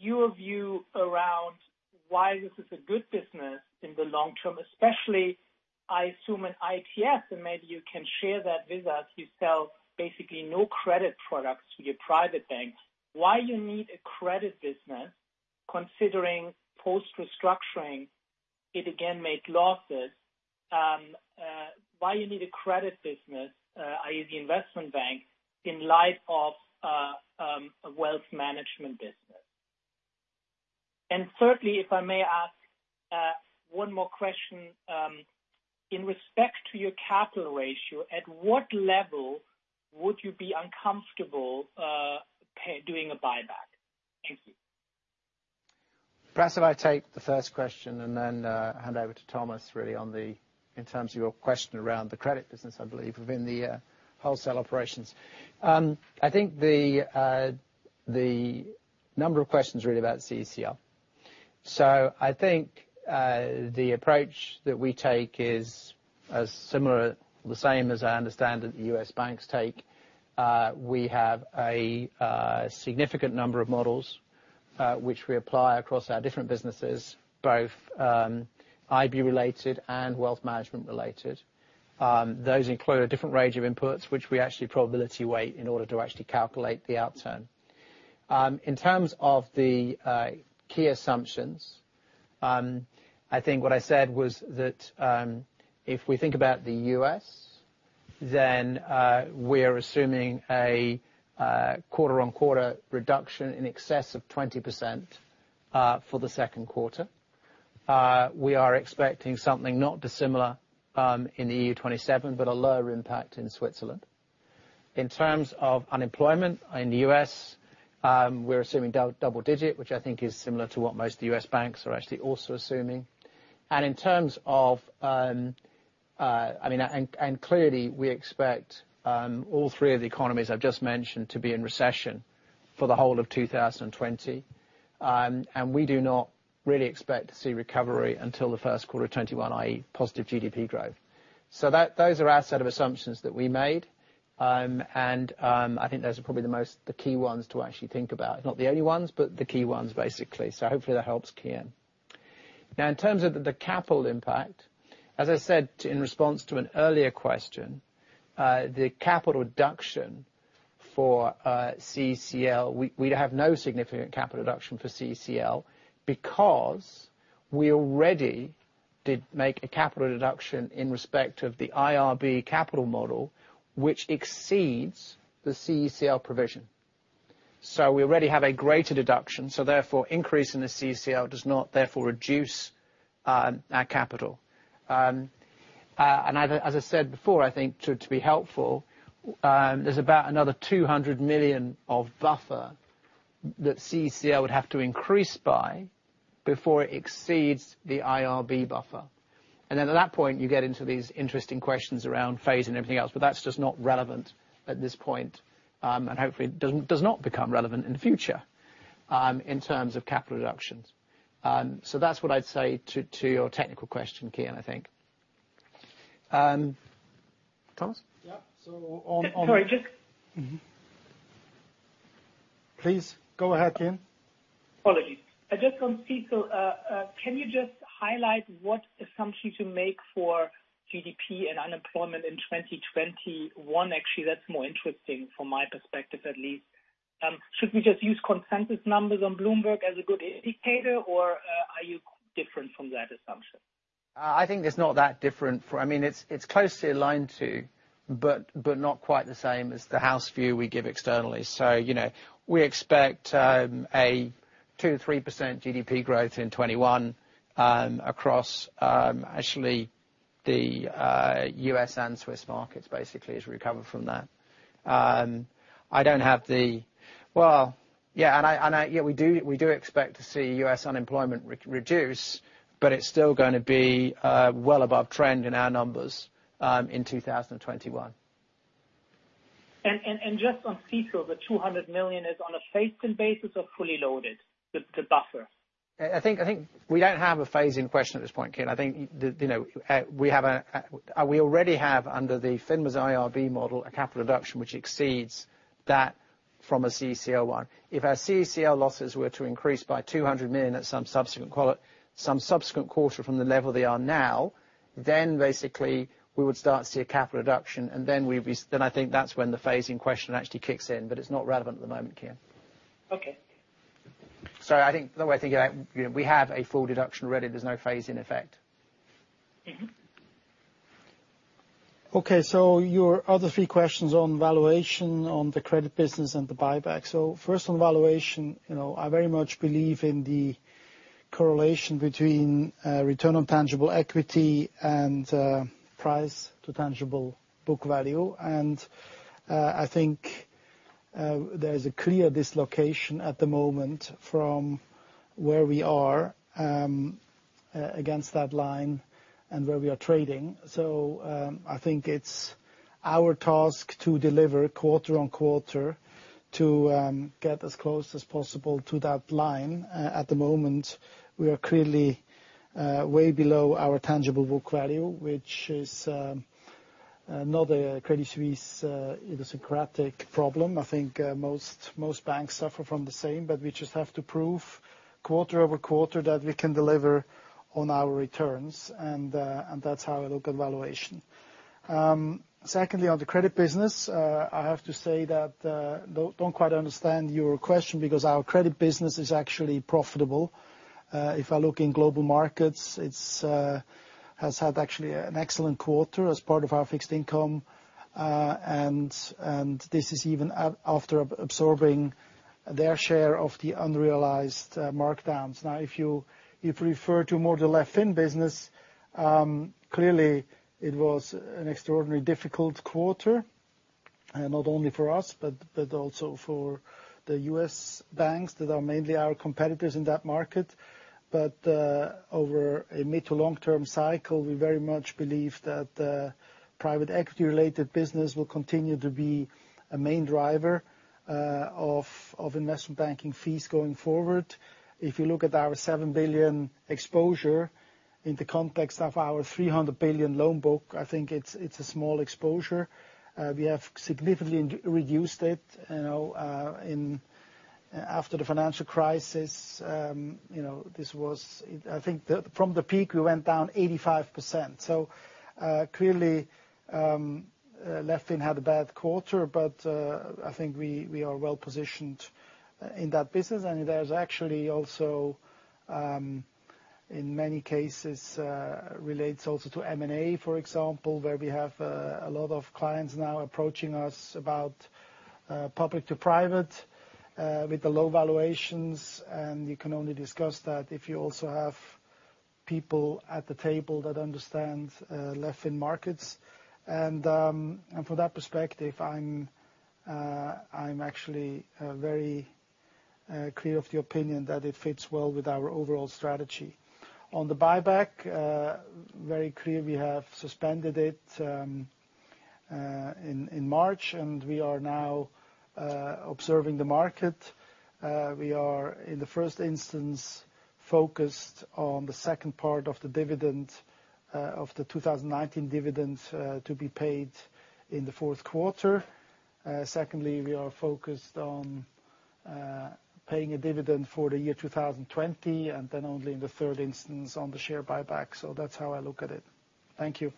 S10: your view around why this is a good business in the long term, especially, I assume at ITS, and maybe you can share that with us. You sell basically no credit products to your private banks. Why you need a credit business considering post-restructuring, it again made losses. Why you need a credit business, i.e., the investment bank, in light of a wealth management business. Thirdly, if I may ask one more question. In respect to your capital ratio, at what level would you be uncomfortable doing a buyback? Thank you.
S4: Perhaps if I take the first question and then hand over to Thomas really in terms of your question around the credit business, I believe within the wholesale operations. I think the number of questions really about CECL. I think the approach that we take is as similar or the same as I understand that the U.S. banks take. We have a significant number of models which we apply across our different businesses, both IB related and Wealth Management related. Those include a different range of inputs, which we actually probability weight in order to actually calculate the outcome. In terms of the key assumptions, I think what I said was that if we think about the U.S., then we're assuming a quarter-on-quarter reduction in excess of 20% for the second quarter. We are expecting something not dissimilar in the EU 27%, but a lower impact in Switzerland. In terms of unemployment in the U.S., we're assuming double-digit, which I think is similar to what most U.S. banks are actually also assuming. Clearly, we expect all three of the economies I've just mentioned to be in recession for the whole of 2020. We do not really expect to see recovery until the first quarter of 2021, i.e. positive GDP growth. Those are our set of assumptions that we made. I think those are probably the key ones to actually think about. Not the only ones, but the key ones, basically. Hopefully that helps, Kian. In terms of the capital impact, as I said in response to an earlier question, the capital deduction for CECL, we'd have no significant capital deduction for CECL because we already did make a capital deduction in respect of the IRB capital model, which exceeds the CECL provision. We already have a greater deduction, so therefore increase in the CECL does not therefore reduce our capital. As I said before, I think to be helpful, there's about another 200 million of buffer that CECL would have to increase by before it exceeds the IRB buffer. At that point, you get into these interesting questions around phase and everything else, but that's just not relevant at this point. Hopefully does not become relevant in the future, in terms of capital reductions. That's what I'd say to your technical question, Kian, I think. Thomas?
S3: Yeah.
S10: Sorry.
S3: Please go ahead, Kian.
S10: Apologies. Just on CECL, can you just highlight what assumptions you make for GDP and unemployment in 2021? Actually, that's more interesting from my perspective, at least. Should we just use consensus numbers on Bloomberg as a good indicator, or are you different from that assumption?
S4: I think it's not that different. It's closely aligned to, but not quite the same as the house view we give externally. We expect a 2%-3% GDP growth in 2021, across actually the U.S. and Swiss markets basically as we recover from that. We do expect to see U.S. unemployment reduce, but it's still going to be well above trend in our numbers, in 2021.
S10: Just on CECL, the 200 million is on a phased-in basis of fully loaded, the buffer?
S4: I think we don't have a phase in question at this point, Kian. We already have under the FINMA's IRB model, a capital deduction which exceeds that from a CECL one. If our CECL losses were to increase by 200 million at some subsequent quarter from the level they are now, then basically we would start to see a capital reduction, and then I think that's when the phasing question actually kicks in, but it's not relevant at the moment, Kian.
S10: Okay.
S4: I think the way to think about it, we have a full deduction already. There's no phase in effect.
S3: Your other three questions on valuation, on the credit business and the buyback. First on valuation, I very much believe in the correlation between return on tangible equity and price to tangible book value. I think there's a clear dislocation at the moment from where we are against that line and where we are trading. I think it's our task to deliver quarter on quarter to get as close as possible to that line. At the moment, we are clearly way below our tangible book value, which is not a Credit Suisse idiosyncratic problem. I think most banks suffer from the same, we just have to prove quarter-over-quarter that we can deliver on our returns. That's how I look at valuation. Secondly, on the credit business, I have to say that I don't quite understand your question because our credit business is actually profitable. If I look in global markets, it has had actually an excellent quarter as part of our fixed income. This is even after absorbing their share of the unrealized markdowns. Now, if you refer to more the leveraged finance business, clearly it was an extraordinarily difficult quarter, not only for us, but also for the U.S. banks that are mainly our competitors in that market. Over a mid to long-term cycle, we very much believe that the private equity related business will continue to be a main driver of investment banking fees going forward. If you look at our 7 billion exposure in the context of our 300 billion loan book, I think it's a small exposure. We have significantly reduced it. After the financial crisis, I think from the peak, we went down 85%. Clearly, leveraged finance had a bad quarter. I think we are well-positioned in that business, and there's actually also, in many cases, relates also to M&A, for example, where we have a lot of clients now approaching us about public-to-private with the low valuations, and you can only discuss that if you also have people at the table that understand leveraged finance markets. From that perspective, I'm actually very clear of the opinion that it fits well with our overall strategy. On the buyback, very clear, we have suspended it in March, and we are now observing the market. We are, in the first instance, focused on the second part of the dividend of the 2019 dividend to be paid in the fourth quarter. Secondly, we are focused on paying a dividend for the year 2020, and then only in the third instance on the share buyback. That's how I look at it. Thank you.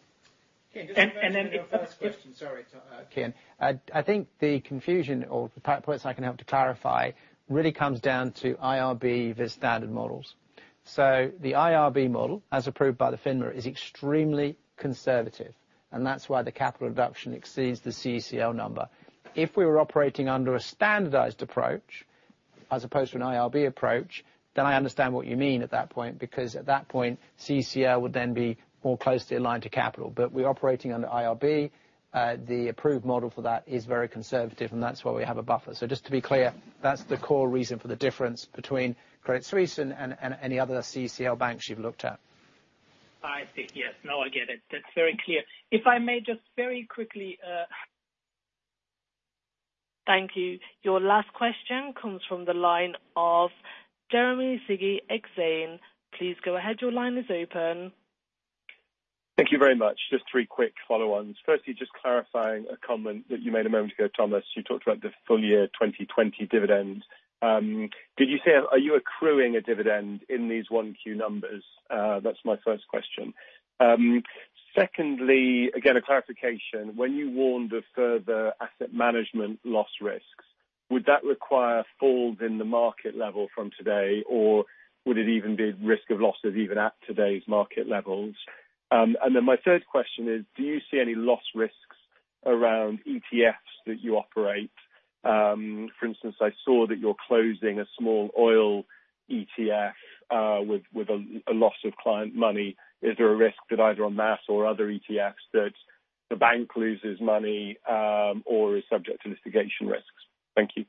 S2: Okay.
S4: Just to mention your first question. Sorry, Kian. I think the confusion or the points I can help to clarify really comes down to IRB versus standard models. The IRB model, as approved by the FINMA, is extremely conservative, and that's why the capital reduction exceeds the CECL number. If we were operating under a standardized approach as opposed to an IRB approach, I understand what you mean at that point, because at that point, CECL would then be more closely aligned to capital. We're operating under IRB. The approved model for that is very conservative, and that's why we have a buffer. Just to be clear, that's the core reason for the difference between Credit Suisse and any other CECL banks you've looked at.
S10: I see. Yes. No, I get it. That's very clear. If I may just very quickly.
S1: Thank you. Your last question comes from the line of Jeremy Sigee Exane. Please go ahead. Your line is open.
S11: Thank you very much. Just three quick follow-ons. Firstly, just clarifying a comment that you made a moment ago, Thomas. You talked about the full year 2020 dividend. Are you accruing a dividend in these 1Q numbers? That's my first question. Secondly, again, a clarification. When you warned of further asset management loss risks, would that require a fall in the market level from today, or would it even be risk of losses even at today's market levels? My third question is, do you see any loss risks around ETFs that you operate? For instance, I saw that you're closing a small oil ETF with a loss of client money. Is there a risk that either en masse or other ETFs that the bank loses money or is subject to litigation risks? Thank you.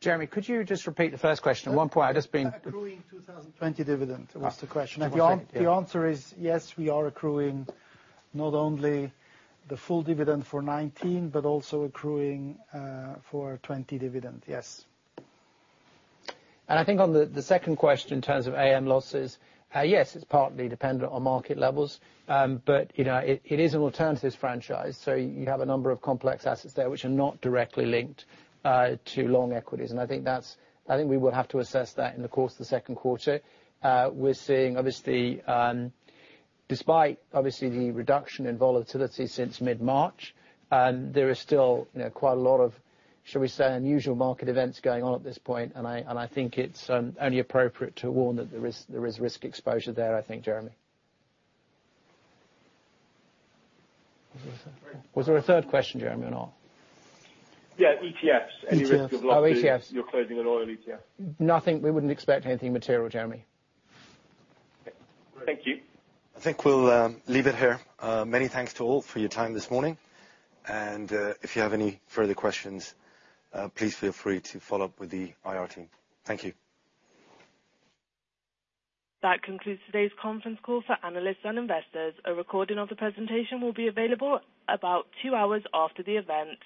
S4: Jeremy, could you just repeat the first question?
S3: Accruing 2020 dividend was the question.
S4: That's it, yeah.
S3: The answer is yes, we are accruing not only the full dividend for 2019, but also accruing for 2020 dividend. Yes.
S4: I think on the second question, in terms of AM losses, yes, it's partly dependent on market levels. It is an alternatives franchise, so you have a number of complex assets there which are not directly linked to long equities. I think we will have to assess that in the course of the second quarter. We're seeing, despite obviously the reduction in volatility since mid-March, there is still quite a lot of, shall we say, unusual market events going on at this point. I think it's only appropriate to warn that there is risk exposure there, I think, Jeremy. Was there a third question, Jeremy, at all?
S11: Yeah, ETFs. Any risk of losses.
S4: ETFs. Oh, ETFs.
S11: You're closing an oil ETF.
S4: Nothing. We wouldn't expect anything material, Jeremy.
S11: Thank you.
S2: I think we'll leave it here. Many thanks to all for your time this morning. If you have any further questions, please feel free to follow up with the IR team. Thank you.
S1: That concludes today's conference call for analysts and investors. A recording of the presentation will be available about two hours after the event.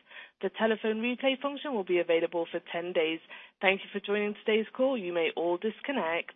S1: The telephone replay function will be available for 10 days. Thank you for joining today's call. You may all disconnect.